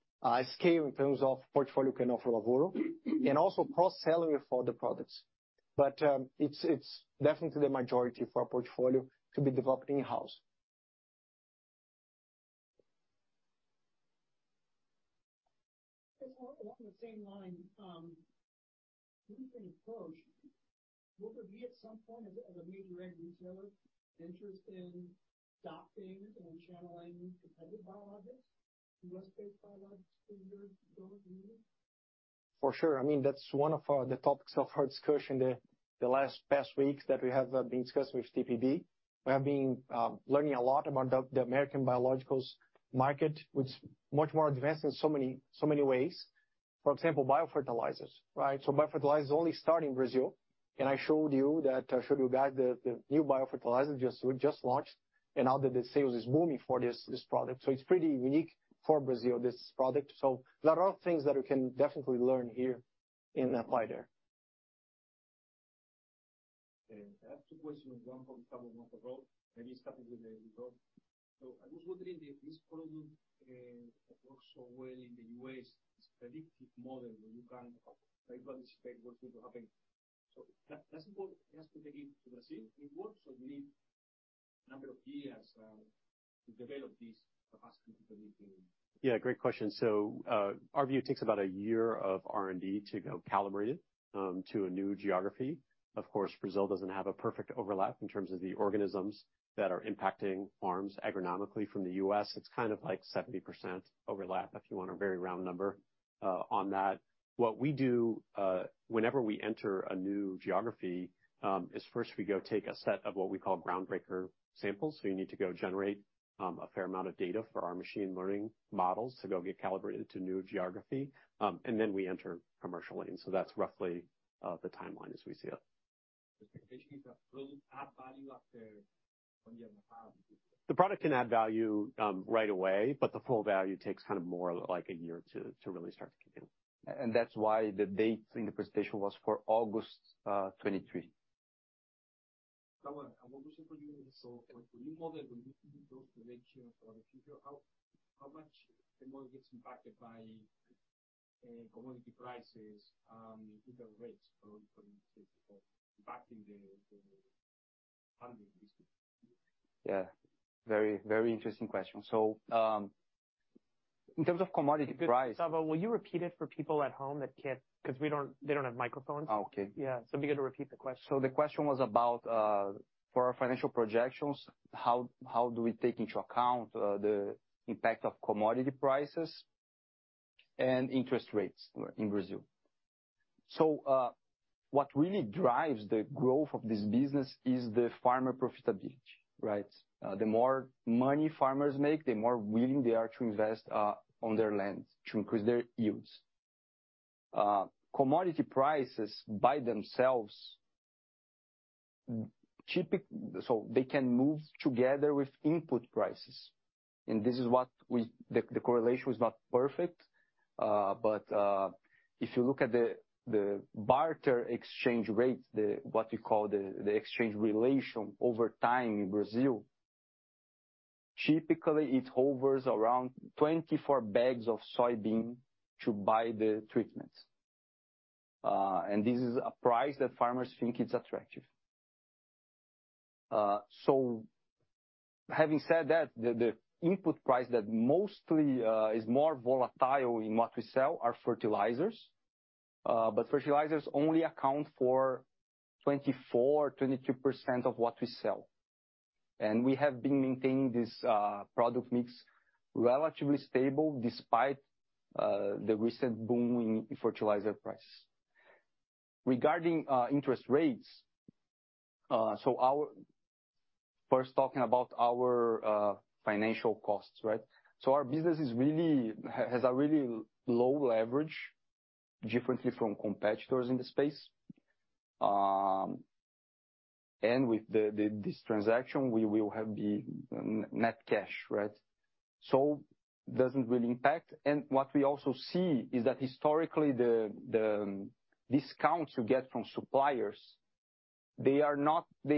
scale in terms of portfolio can offer Lavoro and also cross-selling of other products. It's definitely the majority of our portfolio to be developed in-house. Just along the same line, given your approach, would there be at some point, as a major ag retailer, interest in stocking and channeling competitive biologics, U.S.-based biologics through your unit? For sure. I mean, that's one of our topics of our discussion the last past weeks that we have been discussing with TPB. We have been learning a lot about the American biologicals market, which much more advanced in so many ways. For example, biofertilizers, right? Biofertilizers only start in Brazil, and I showed you guys the new biofertilizer we just launched and now that the sales is booming for this product. It's pretty unique for Brazil, this product. There are things that we can definitely learn here and apply there. Okay. I have two questions, one for each of you. Maybe starting with Ricardo. I was wondering if this product that works so well in the U.S., this predictive model where you can try to anticipate what's going to happen. Does it work, or do you need to take it to Brazil. Number of years to develop this capacity for making Yeah, great question. Our view takes about a year of R&D to go calibrate it, to a new geography. Of course, Brazil doesn't have a perfect overlap in terms of the organisms that are impacting farms agronomically from the US. It's kind of like 70% overlap, if you want a very round number, on that. What we do, whenever we enter a new geography, is first we go take a set of what we call groundbreaker samples. You need to go generate, a fair amount of data for our machine learning models to go get calibrated to new geography. We enter commercially. That's roughly the timeline as we see it. The expectation is, will it add value after one year on the farm? The product can add value right away, but the full value takes kind of more like a year to really start to kick in. That's why the date in the presentation was for August 23. For your model, when you do those projections for the future, how much the model gets impacted by commodity prices, interest rates for different states of impacting the funding business? Yeah. Very, very interesting question. In terms of commodity price- Savio, will you repeat it for people at home that can't, 'cause they don't have microphones? Oh, okay. Yeah. It'd be good to repeat the question. The question was about, for our financial projections, how do we take into account the impact of commodity prices and interest rates in Brazil? What really drives the growth of this business is the farmer profitability, right? The more money farmers make, the more willing they are to invest on their land to increase their yields. Commodity prices by themselves so they can move together with input prices. The correlation is not perfect, but if you look at the barter exchange rate, what we call the exchange relation over time in Brazil, typically it hovers around 24 bags of soybean to buy the treatments. This is a price that farmers think it's attractive. Having said that, the input price that mostly is more volatile in what we sell are fertilizers, but fertilizers only account for 24% or 22% of what we sell. We have been maintaining this product mix relatively stable despite the recent boom in fertilizer price. Regarding interest rates, first talking about our financial costs, right? Our business really has a really low leverage differently from competitors in the space. With this transaction, we will have the net cash, right? Doesn't really impact. What we also see is that historically the discounts you get from suppliers, they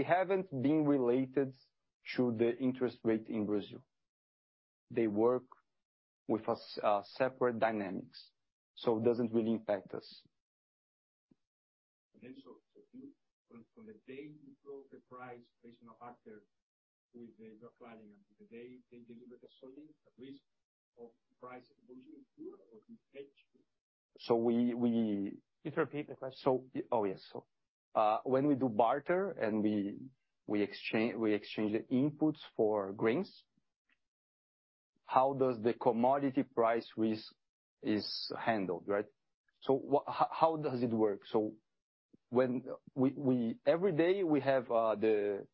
haven't been related to the interest rate in Brazil. They work with a separate dynamics, so it doesn't really impact us. From the day you close the price based on a factor with the supplier, and to the day they deliver the soybean, the risk of price evolution is yours or the hedge? We Can you repeat the question? Yes, when we do barter and we exchange the inputs for grains, how is the commodity price risk handled, right? How does it work? When we... Every day we have the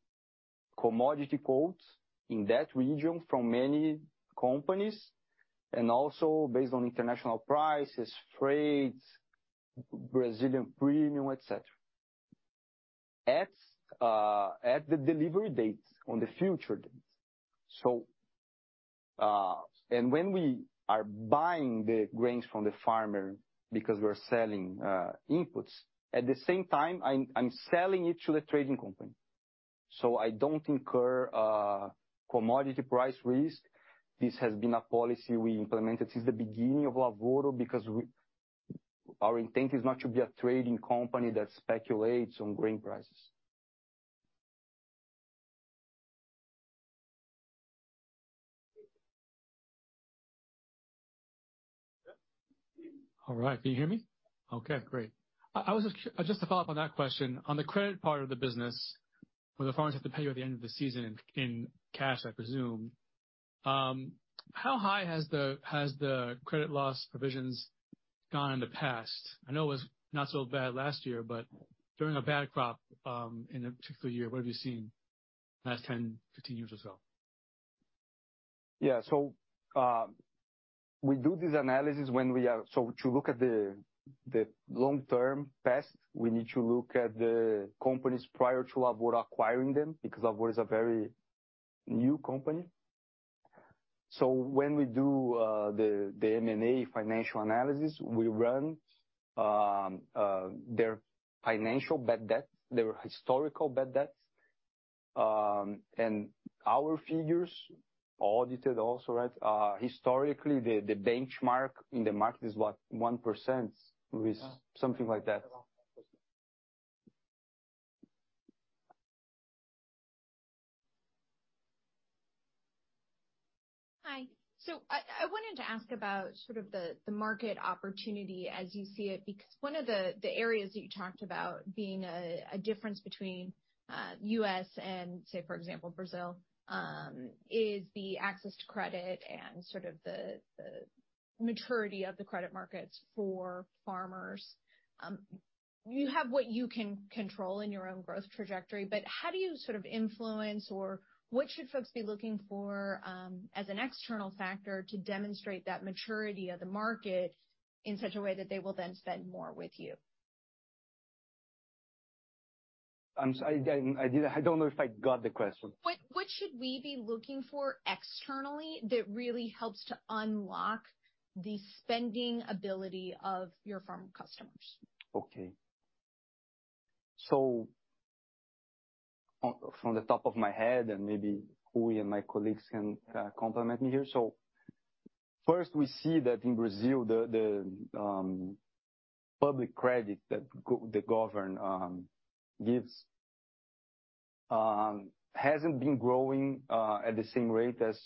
commodity quotes in that region from many companies and also based on international prices, freights, Brazilian premium, et cetera. At the delivery date on the future date. When we are buying the grains from the farmer because we're selling inputs, at the same time, I'm selling it to the trading company. I don't incur commodity price risk. This has been a policy we implemented since the beginning of Lavoro because our intent is not to be a trading company that speculates on grain prices. Yeah. All right. Can you hear me? Okay, great. I was just to follow up on that question, on the credit part of the business, where the farmers have to pay you at the end of the season in cash, I presume, how high has the credit loss provisions gone in the past? I know it was not so bad last year, but during a bad crop, in a particular year, what have you seen the last 10, 15 years or so? We do this analysis to look at the long-term past. We need to look at the companies prior to Lavoro acquiring them because Lavoro is a very new company. When we do the M&A financial analysis, we run their financial bad debts, their historical bad debts, and our figures audited also, right? Historically the benchmark in the market is what? 1% risk, something like that. Hi. I wanted to ask about sort of the market opportunity as you see it, because one of the areas that you talked about being a difference between U.S. and, say, for example Brazil, is the access to credit and sort of the maturity of the credit markets for farmers. You have what you can control in your own growth trajectory, but how do you sort of influence or what should folks be looking for, as an external factor to demonstrate that maturity of the market in such a way that they will then spend more with you? I don't know if I got the question. What should we be looking for externally that really helps to unlock the spending ability of your farmer customers? Okay. From the top of my head, and maybe Ruy and my colleagues can complement me here. First we see that in Brazil, the public credit that the government gives hasn't been growing at the same rate as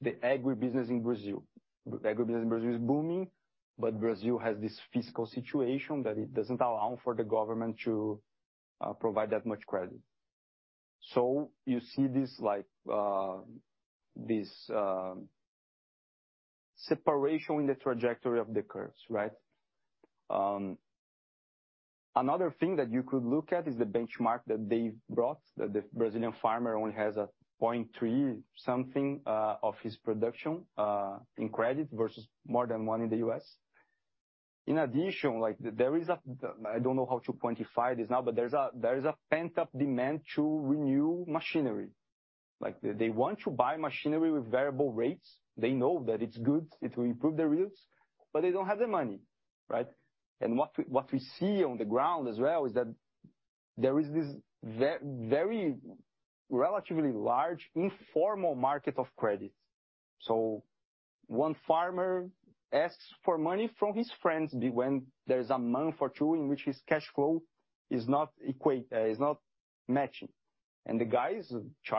the agribusiness in Brazil. The agribusiness in Brazil is booming, but Brazil has this fiscal situation that it doesn't allow for the government to provide that much credit. You see this like this separation in the trajectory of the curves, right? Another thing that you could look at is the benchmark that they've brought, that the Brazilian farmer only has a 0.3 something of his production in credit versus more than 1 in the U.S. In addition, like there is a... I don't know how to quantify this now, but there's a pent-up demand to renew machinery. Like they want to buy machinery with variable rates. They know that it's good, it will improve their yields, but they don't have the money, right? What we see on the ground as well is that there is this very relatively large informal market of credit. One farmer asks for money from his friends when there's a month or two in which his cash flow is not equal, is not matching. Per month.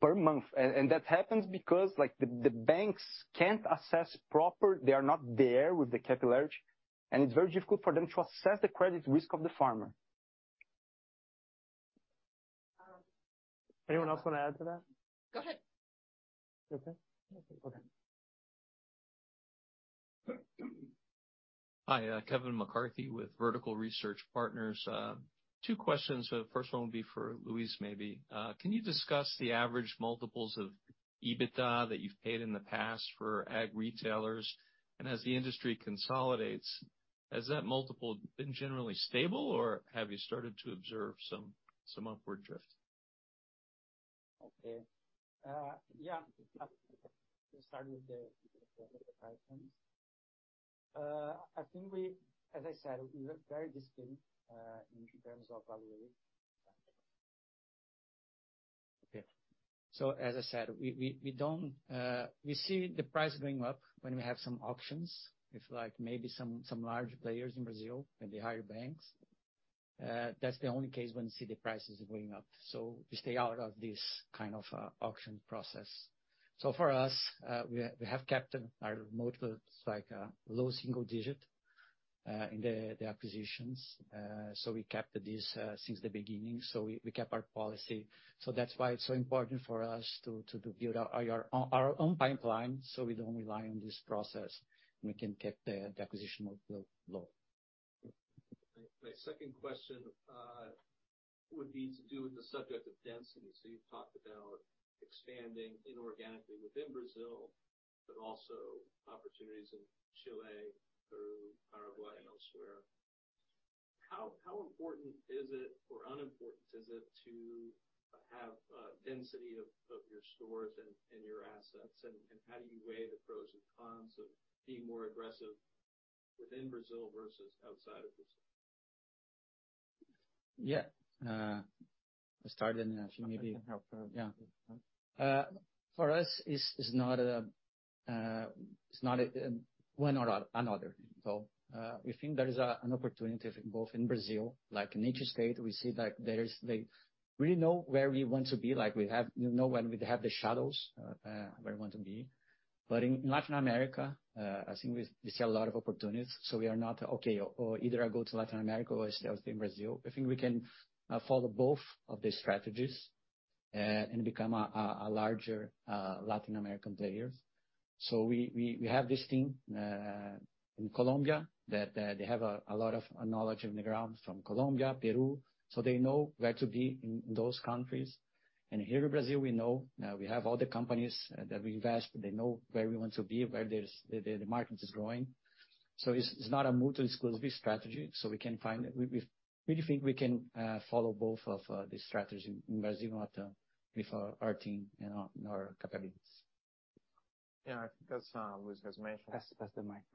Per month. That happens because like the banks can't assess properly, they are not there with the capillarity, and it's very difficult for them to assess the credit risk of the farmer. Anyone else wanna add to that? Go ahead. Okay. Okay. Hi, Kevin McCarthy with Vertical Research Partners. Two questions. The first one will be for Luis, maybe. Can you discuss the average multiples of EBITDA that you've paid in the past for ag retailers? As the industry consolidates, has that multiple been generally stable or have you started to observe some upward drift? Let's start with the first one. As I said, we are very disciplined in terms of valuation. As I said, we don't. We see the price going up when we have some auctions with like maybe some large players in Brazil, maybe higher banks. That's the only case when you see the prices going up. We stay out of this kind of auction process. For us, we have kept our multiples like low single digit in the acquisitions. We kept this since the beginning. We kept our policy. That's why it's so important for us to build our own pipeline, so we don't rely on this process, and we can keep the acquisition multiple low. My second question would be to do with the subject of density. You've talked about expanding inorganically within Brazil, but also opportunities in Chile, Peru, Paraguay and elsewhere. How important is it or unimportant is it to have density of your stores and your assets? How do you weigh the pros and cons of being more aggressive within Brazil versus outside of Brazil? Yeah. I'll start and she maybe- I can help her. Yeah. For us, it's not a one or another. We think there is an opportunity both in Brazil, like in each state, we see like We know where we want to be. Like we have, you know, when we have the shadows, where we want to be. In Latin America, I think we see a lot of opportunities, so we are not, okay, either I go to Latin America or I stay in Brazil. I think we can follow both of the strategies and become a larger Latin American player. We have this team in Colombia that they have a lot of knowledge on the ground from Colombia, Peru, so they know where to be in those countries. Here in Brazil, we know we have all the companies that we invest. They know where we want to be, where the market is growing. It's not a mutually exclusive strategy. We really think we can follow both of the strategies in Brazil with our team and our capabilities. Yeah. I think as Luis has mentioned. Pass the mic.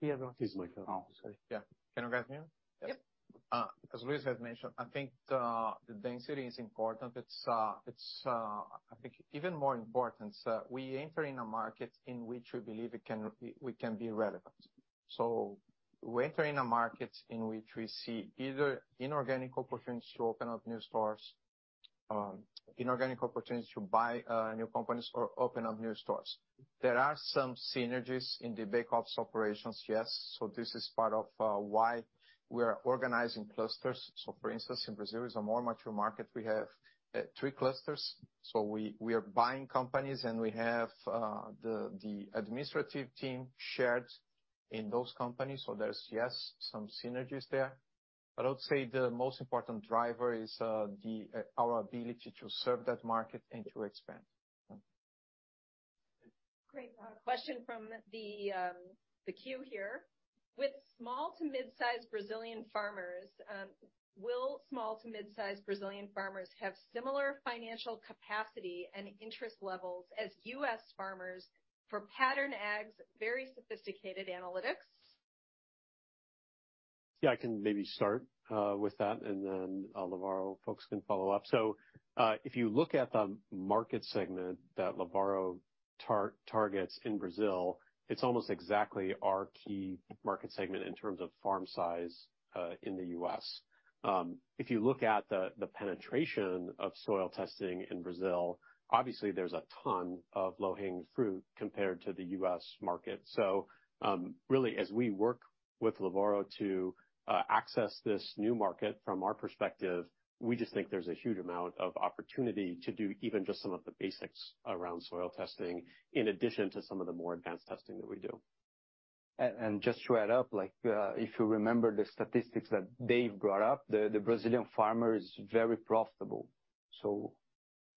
Yeah. Can you guys hear me? Yep. As Luis has mentioned, I think the density is important. It's even more important we enter in a market in which we believe we can be relevant. We enter in a market in which we see either inorganic opportunities to open up new stores, inorganic opportunities to buy new companies or open up new stores. There are some synergies in the back-office operations, yes, this is part of why we are organizing clusters. For instance, in Brazil is a more mature market. We have three clusters, we are buying companies and we have the administrative team shared in those companies. There's yes, some synergies there. I would say the most important driver is our ability to serve that market and to expand. Great. Question from the queue here. Will small to mid-size Brazilian farmers have similar financial capacity and interest levels as U.S. farmers for Pattern Ag's very sophisticated analytics? Yeah, I can maybe start with that, and then, Lavoro folks can follow up. If you look at the market segment that Lavoro targets in Brazil, it's almost exactly our key market segment in terms of farm size, in the U.S. If you look at the penetration of soil testing in Brazil, obviously there's a ton of low-hanging fruit compared to the U.S. market. Really as we work with Lavoro to access this new market, from our perspective, we just think there's a huge amount of opportunity to do even just some of the basics around soil testing in addition to some of the more advanced testing that we do. Just to add up, like, if you remember the statistics that Dave brought up, the Brazilian farmer is very profitable.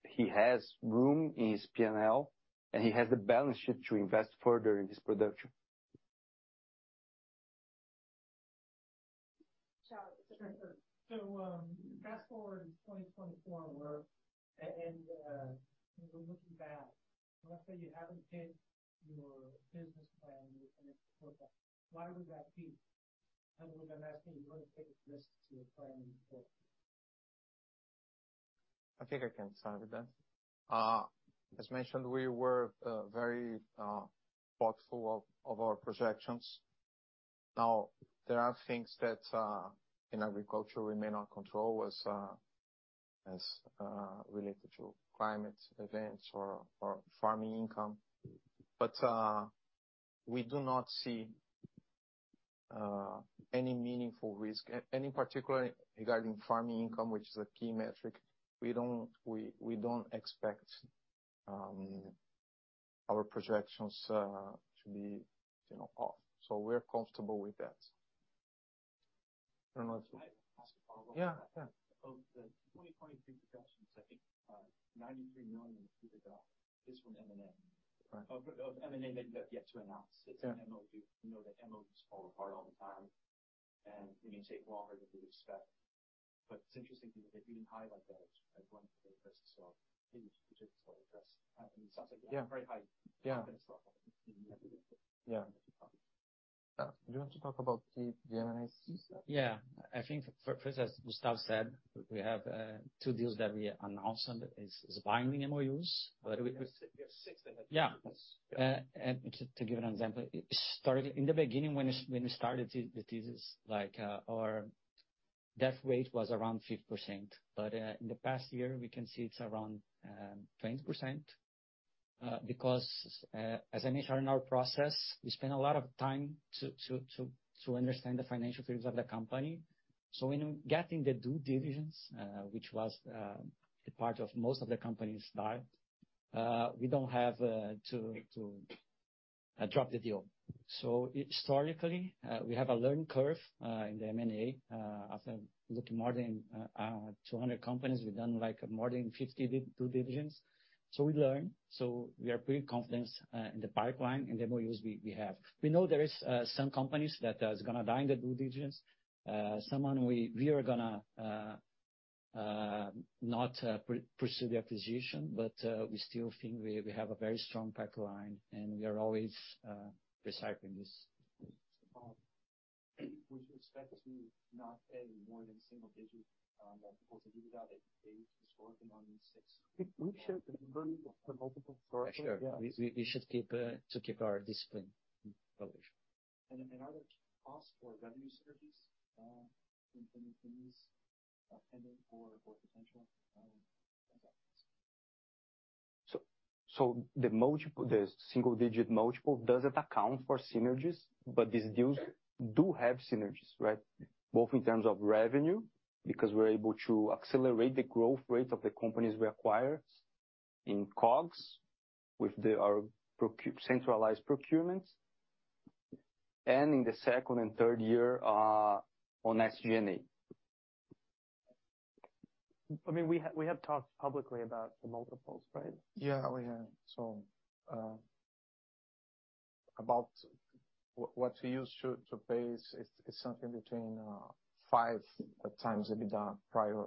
He has room in his P&L, and he has the balance sheet to invest further in his production. Charles. Fast-forward to 2024, we're looking back. Let's say you haven't hit your business plan. Mm-hmm. Why would that be? We're gonna ask you to take a risk to your planning report. I think I can start with that. As mentioned, we were very thoughtful of our projections. Now, there are things that in agriculture we may not control as related to climate events or farming income. We do not see any meaningful risk. In particular regarding farming income, which is a key metric, we don't expect our projections to be, you know, off. We're comfortable with that. Yeah. Of the 2023 projections, I think, 93 million is from M&A. Right. Of M&A they've yet to announce. Yeah. It's an MOU. We know that MOUs fall apart all the time, and it may take longer than we expect. It's interesting that you didn't highlight that as one of the risks. Maybe you can just address. It sounds like. Yeah. Very high. Yeah. Yeah. Do you want to talk about the M&As? Yeah. I think first, as Gustavo said, we have two deals that we announced and is binding MOUs. We have six MOUs. Yeah. To give an example, historically in the beginning when we started these deals, like, our death rate was around 50%. In the past year we can see it's around 20%, because as an HR in our process, we spend a lot of time to understand the financial ceilings of the company. In getting the due diligence, which was a part of most of the companies die, we don't have to drop the deal. Historically, we have a learning curve in the M&A. After looking more than 200 companies, we've done like more than 50 due diligence. We learn, so we are pretty confident in the pipeline and the MOUs we have. We know there is some companies that is gonna die in the due diligence. Some we are gonna not pursue the acquisition, but we still think we have a very strong pipeline, and we are always recycling this. Would you expect to not pay more than single digits on multiples of EBITDA based historically on these six? We should bring the multiple. For sure. We should keep our discipline. Are there cost or revenue synergies in these pending or potential transactions? The multiple, the single-digit multiple doesn't account for synergies, but these deals do have synergies, right? Both in terms of revenue, because we're able to accelerate the growth rate of the companies we acquire. In COGS, with our centralized procurements. In the second and third year, on SG&A. I mean, we have talked publicly about the multiples, right? Yeah, we have. About what we use to base it. It's something between 5x EBITDA prior.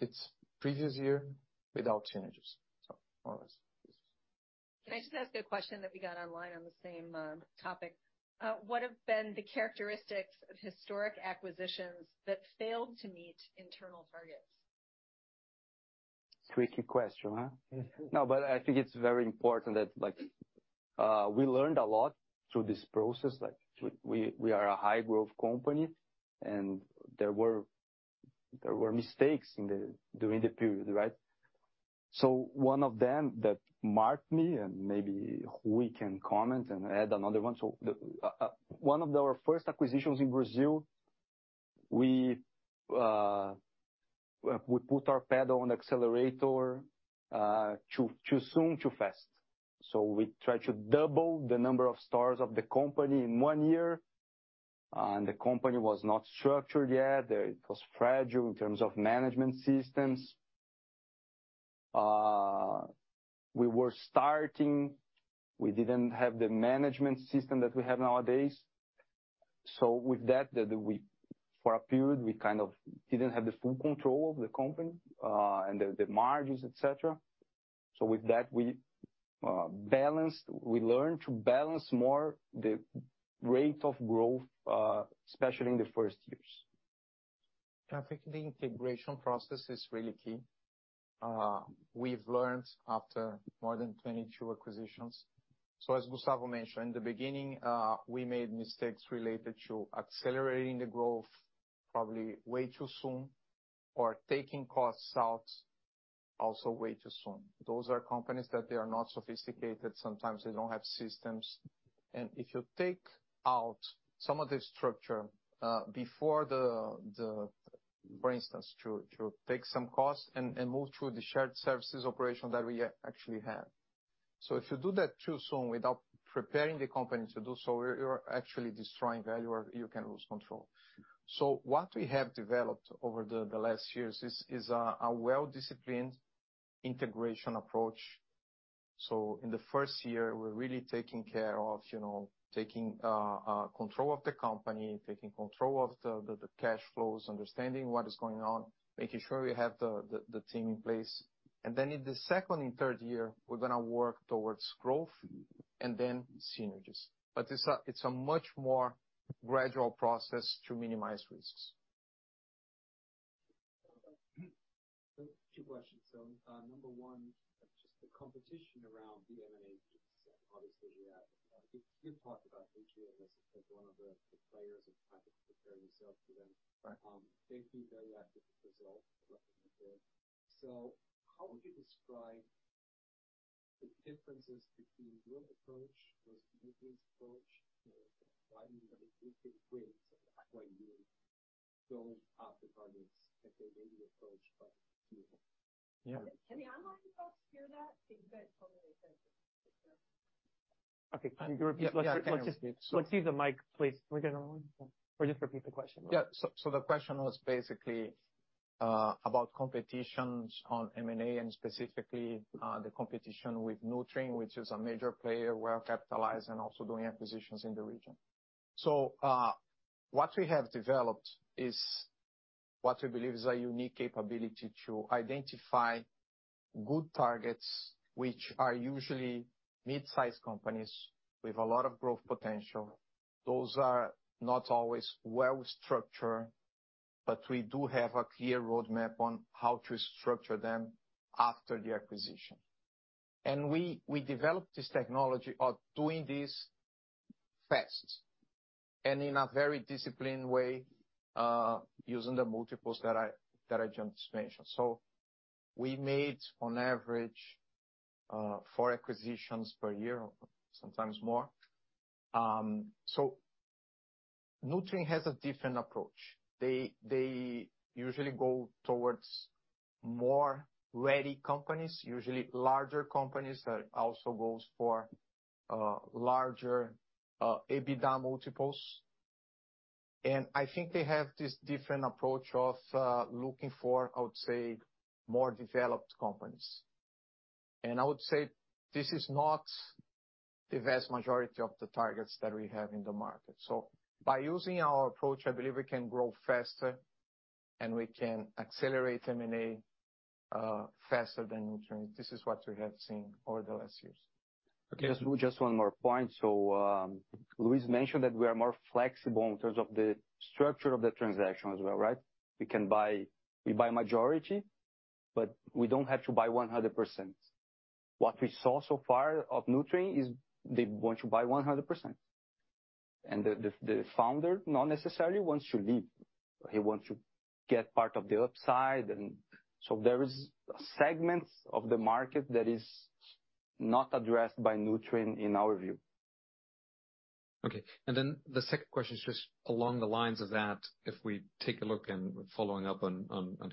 It's previous year without synergies. More or less, yes. Can I just ask a question that we got online on the same topic? What have been the characteristics of historic acquisitions that failed to meet internal targets? Tricky question, huh? No, I think it's very important that, like, we learned a lot through this process. Like, we are a high growth company and there were mistakes during the period, right? One of them that marked me and maybe Ruy can comment and add another one. One of our first acquisitions in Brazil, we put our pedal on the accelerator too soon, too fast. We tried to double the number of stores of the company in one year, and the company was not structured yet. It was fragile in terms of management systems. We didn't have the management system that we have nowadays. With that, we, for a period, we kind of didn't have the full control of the company, and the margins, et cetera. With that, we learned to balance more the rate of growth, especially in the first years. I think the integration process is really key. We've learned after more than 22 acquisitions. As Gustavo mentioned, in the beginning, we made mistakes related to accelerating the growth probably way too soon or taking costs out also way too soon. Those are companies that they are not sophisticated. Sometimes they don't have systems. If you take out some of the structure, before, for instance, to take some costs and move through the shared services operation that we actually have. If you do that too soon without preparing the company to do so, you're actually destroying value or you can lose control. What we have developed over the last years is a well-disciplined integration approach. In the first year, we're really taking care of, you know, taking control of the company, taking control of the cash flows, understanding what is going on, making sure we have the team in place. Then in the second and third year, we're gonna work towards growth and then synergies. It's a much more gradual process to minimize risks. Two questions. Number one, just the competition around the M&A space, obviously you have, you've talked about Nutrien as one of the players and trying to prepare yourself for them. Right. They've been very active in Brazil. Mm-hmm. How would you describe the differences between your approach versus Nutrien's approach and why do you think you could win, like why you go after targets that they maybe approach but didn't? Yeah. Can the online folks hear that? Because you guys told me they couldn't hear. Okay. Can you repeat? Yeah, yeah, I can repeat. Let's use the mic, please. We're getting a lot of complaints. Or just repeat the question. Yeah. The question was basically about competition in M&A and specifically the competition with Nutrien, which is a major player, well-capitalized and also doing acquisitions in the region. What we have developed is what we believe is a unique capability to identify good targets, which are usually mid-sized companies with a lot of growth potential. Those are not always well-structured, but we do have a clear roadmap on how to structure them after the acquisition. We developed this technology of doing this fast and in a very disciplined way, using the multiples that I just mentioned. We made on average four acquisitions per year, sometimes more. Nutrien has a different approach. They usually go towards more ready companies, usually larger companies that also goes for larger EBITDA multiples. I think they have this different approach of looking for, I would say, more developed companies. I would say this is not the vast majority of the targets that we have in the market. By using our approach, I believe we can grow faster and we can accelerate M&A faster than Nutrien. This is what we have seen over the last years. Okay. Just one more point. Luis mentioned that we are more flexible in terms of the structure of the transaction as well, right? We can buy majority, but we don't have to buy 100%. What we saw so far of Nutrien is they want to buy 100%. The founder not necessarily wants to leave. He wants to get part of the upside. There is segments of the market that is not addressed by Nutrien in our view. Okay. The second question is just along the lines of that. If we take a look, following up on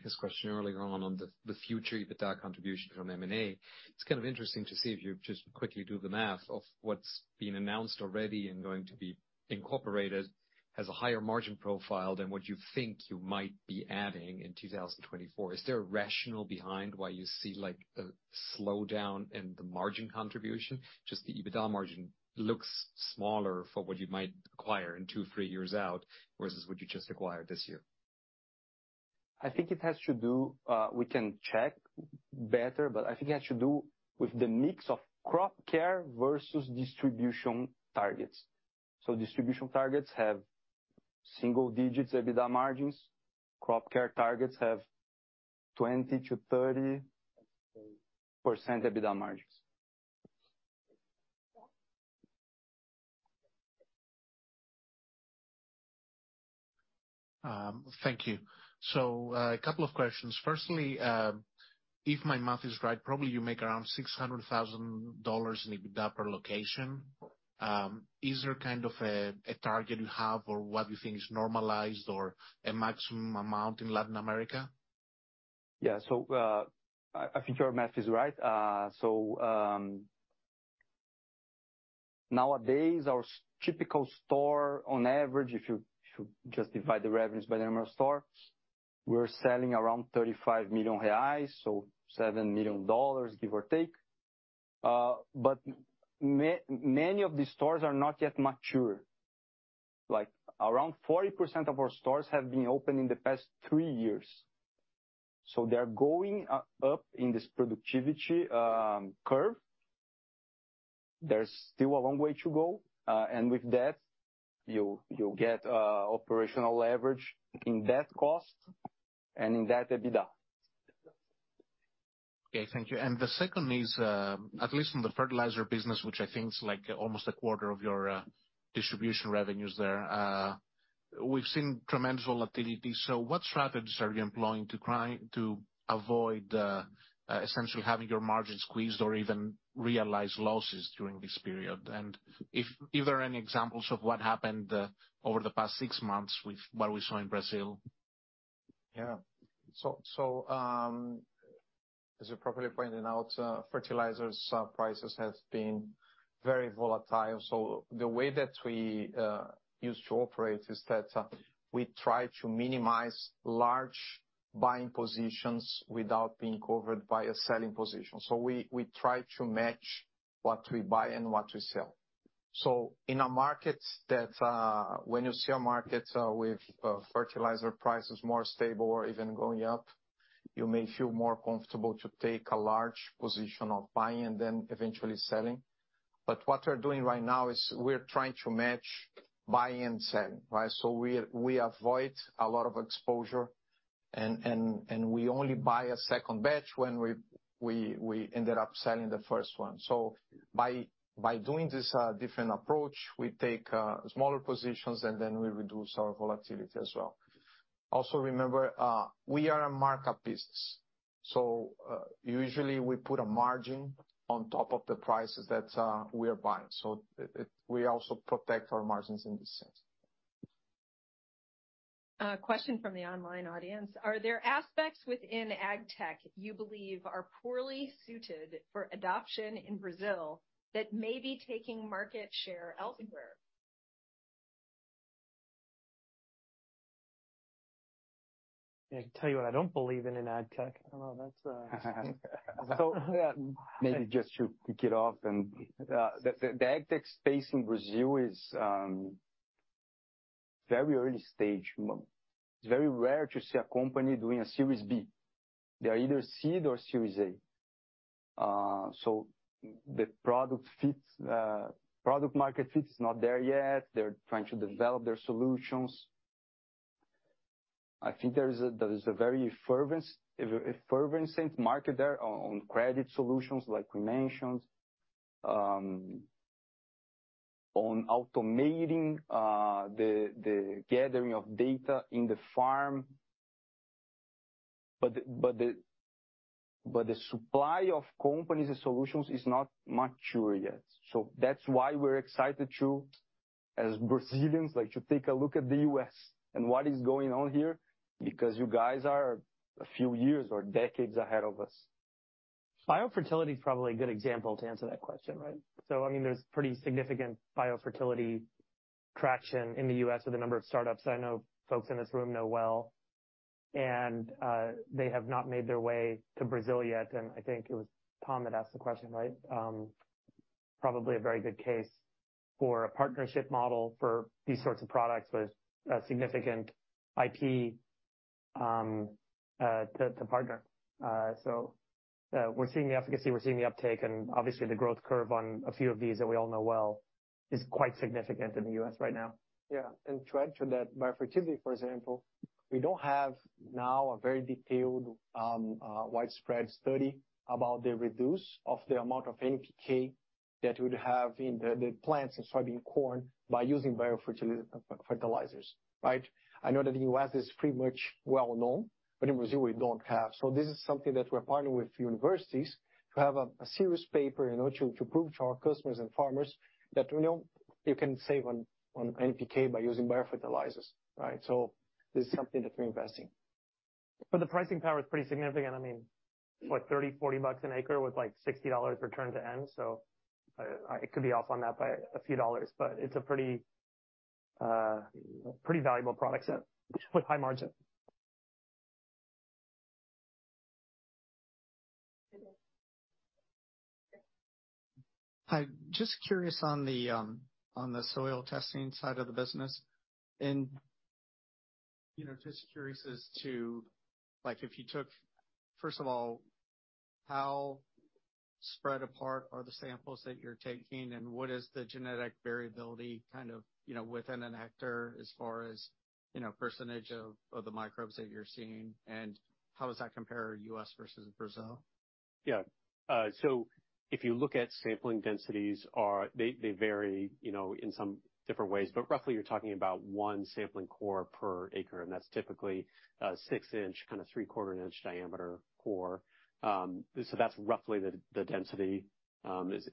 his question earlier on the future EBITDA contribution from M&A, it's kind of interesting to see if you just quickly do the math of what's been announced already and going to be incorporated has a higher margin profile than what you think you might be adding in 2024. Is there a rationale behind why you see like a slowdown in the margin contribution? Just the EBITDA margin looks smaller for what you might acquire in 2-3 years out versus what you just acquired this year. I think it has to do with the mix of Crop Care versus distribution targets. Distribution targets have single digits EBITDA margins. Crop Care targets have 20%-30% EBITDA margins. Thank you. A couple of questions. Firstly, if my math is right, probably you make around $600,000 in EBITDA per location. Is there kind of a target you have or what you think is normalized or a maximum amount in Latin America? Yeah. I think your math is right. Nowadays our typical store on average, if you just divide the revenues by the number of stores, we're selling around 35 million reais. $7 million, give or take. But many of these stores are not yet mature. Like, around 40% of our stores have been open in the past 3 years. They're going up in this productivity curve. There's still a long way to go. With that you'll get operational leverage in that cost and in that EBITDA. Okay, thank you. The second is, at least in the fertilizer business, which I think is like almost a quarter of your distribution revenues there, we've seen tremendous volatility. What strategies are you employing to try to avoid essentially having your margin squeezed or even realize losses during this period? If there are any examples of what happened over the past six months with what we saw in Brazil. As you're properly pointing out, fertilizer prices have been very volatile. The way that we used to operate is that we try to minimize large buying positions without being covered by a selling position. We try to match what we buy and what we sell. In a market when you see a market with fertilizer prices more stable or even going up, you may feel more comfortable to take a large position of buying and then eventually selling. What we're doing right now is we're trying to match buy and sell, right? We avoid a lot of exposure and we only buy a second batch when we ended up selling the first one. By doing this different approach, we take smaller positions and then we reduce our volatility as well. Also remember, we are a markup business, so usually we put a margin on top of the prices that we are buying. We also protect our margins in this sense. Question from the online audience. Are there aspects within AgTech you believe are poorly suited for adoption in Brazil that may be taking market share elsewhere? I can tell you what I don't believe in AgTech. I don't know. Maybe just to kick it off, the AgTech space in Brazil is very early stage. It's very rare to see a company doing a series B. They are either seed or series A. Product market fit is not there yet. They're trying to develop their solutions. I think there is a very fervent market there on credit solutions like we mentioned, on automating the gathering of data in the farm. The supply of companies and solutions is not mature yet. That's why we're excited to, as Brazilians like to take a look at the U.S. and what is going on here, because you guys are a few years or decades ahead of us. Biofertility is probably a good example to answer that question, right? I mean, there's pretty significant biofertility traction in the U.S. with a number of startups I know folks in this room know well, and they have not made their way to Brazil yet. I think it was Tom that asked the question, right? Probably a very good case for a partnership model for these sorts of products with a significant IP to partner. We're seeing the efficacy, we're seeing the uptake, and obviously the growth curve on a few of these that we all know well is quite significant in the U.S. right now. Yeah. To add to that, biofertilizers, for example, we don't have now a very detailed widespread study about the reduction of the amount of NPK that would have in the plants in soybean corn by using biofertilizers. Right? I know that the U.S. is pretty much well-known, but in Brazil we don't have. This is something that we're partnering with universities to have a serious paper in order to prove to our customers and farmers that, you know, you can save on NPK by using biofertilizers. Right? This is something that we're investing. The pricing power is pretty significant. I mean, what, $30, $40 an acre with like $60 return to end. I could be off on that by a few dollars, but it's a pretty valuable product set with high margin. Hi. Just curious on the soil testing side of the business. You know, just curious as to, like, First of all, how spread apart are the samples that you're taking, and what is the genetic variability kind of, you know, within an hectare as far as, you know, percentage of the microbes that you're seeing, and how does that compare U.S. versus Brazil? Yeah. So if you look at sampling densities, they vary, you know, in some different ways. Roughly you're talking about one sampling core per acre, and that's typically a 6-inch, kinda three-quarter inch diameter core. So that's roughly the density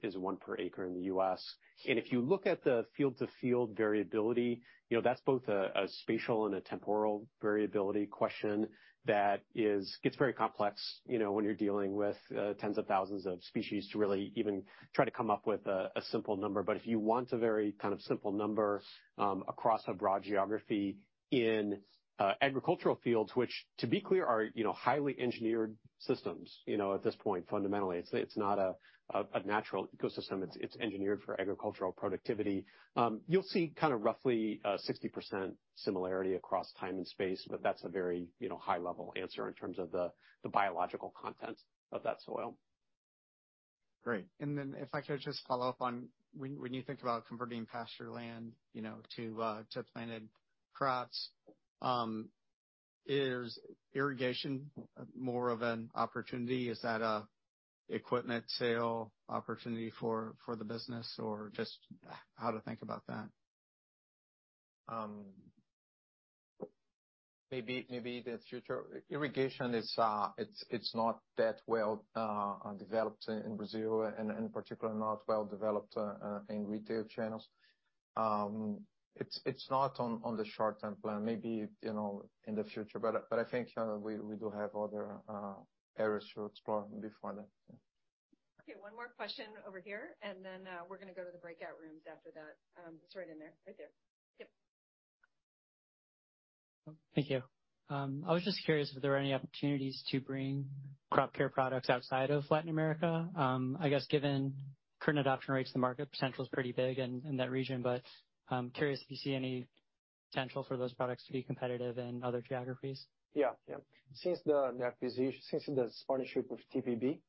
is one per acre in the U.S. If you look at the field-to-field variability, you know, that's both a spatial and a temporal variability question that gets very complex, you know, when you're dealing with tens of thousands of species to really even try to come up with a simple number. If you want a very kind of simple number across a broad geography in agricultural fields, which, to be clear, are, you know, highly engineered systems, you know, at this point, fundamentally. It's not a natural ecosystem, it's engineered for agricultural productivity. You'll see kind of roughly 60% similarity across time and space, but that's a very, you know, high-level answer in terms of the biological content of that soil. Great. If I could just follow up on when you think about converting pasture land, you know, to planted crops, is irrigation more of an opportunity? Is that a equipment sale opportunity for the business, or just how to think about that? Maybe the future. Irrigation is, it's not that well developed in Brazil and in particular, not well developed in retail channels. It's not on the short-term plan. Maybe, you know, in the future, but I think we do have other areas to explore before that. Yeah. Okay, one more question over here, and then we're gonna go to the breakout rooms after that. It's right in there. Right there. Yep. Thank you. I was just curious if there were any opportunities to bring Crop Care products outside of Latin America. I guess given current adoption rates, the market potential is pretty big in that region. Curious if you see any potential for those products to be competitive in other geographies. Yeah. Yeah. Since the acquisition, since the partnership with TPB,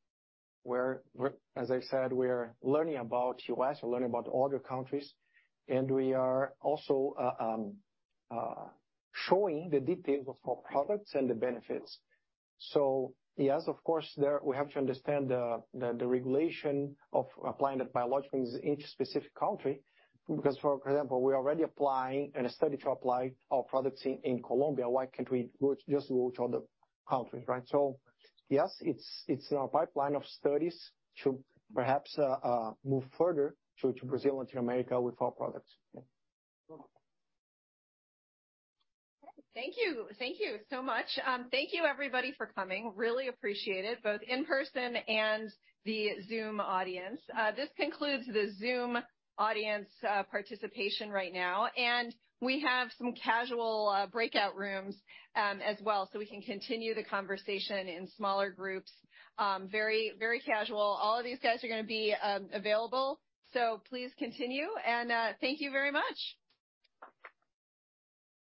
we're, as I said, we are learning about U.S., we're learning about other countries, and we are also showing the details of our products and the benefits. Yes, of course, there we have to understand the regulation of applying the biologicals in each specific country, because, for example, we are already applying and are starting to apply our products in Colombia. Why can't we just go to other countries, right? Yes, it's in our pipeline of studies to perhaps move further to Brazil, Latin America with our products. Yeah. Thank you. Thank you so much. Thank you everybody for coming. Really appreciate it, both in person and the Zoom audience. This concludes the Zoom audience participation right now. We have some casual breakout rooms as well, so we can continue the conversation in smaller groups. Very, very casual. All of these guys are gonna be available. Please continue. Thank you very much.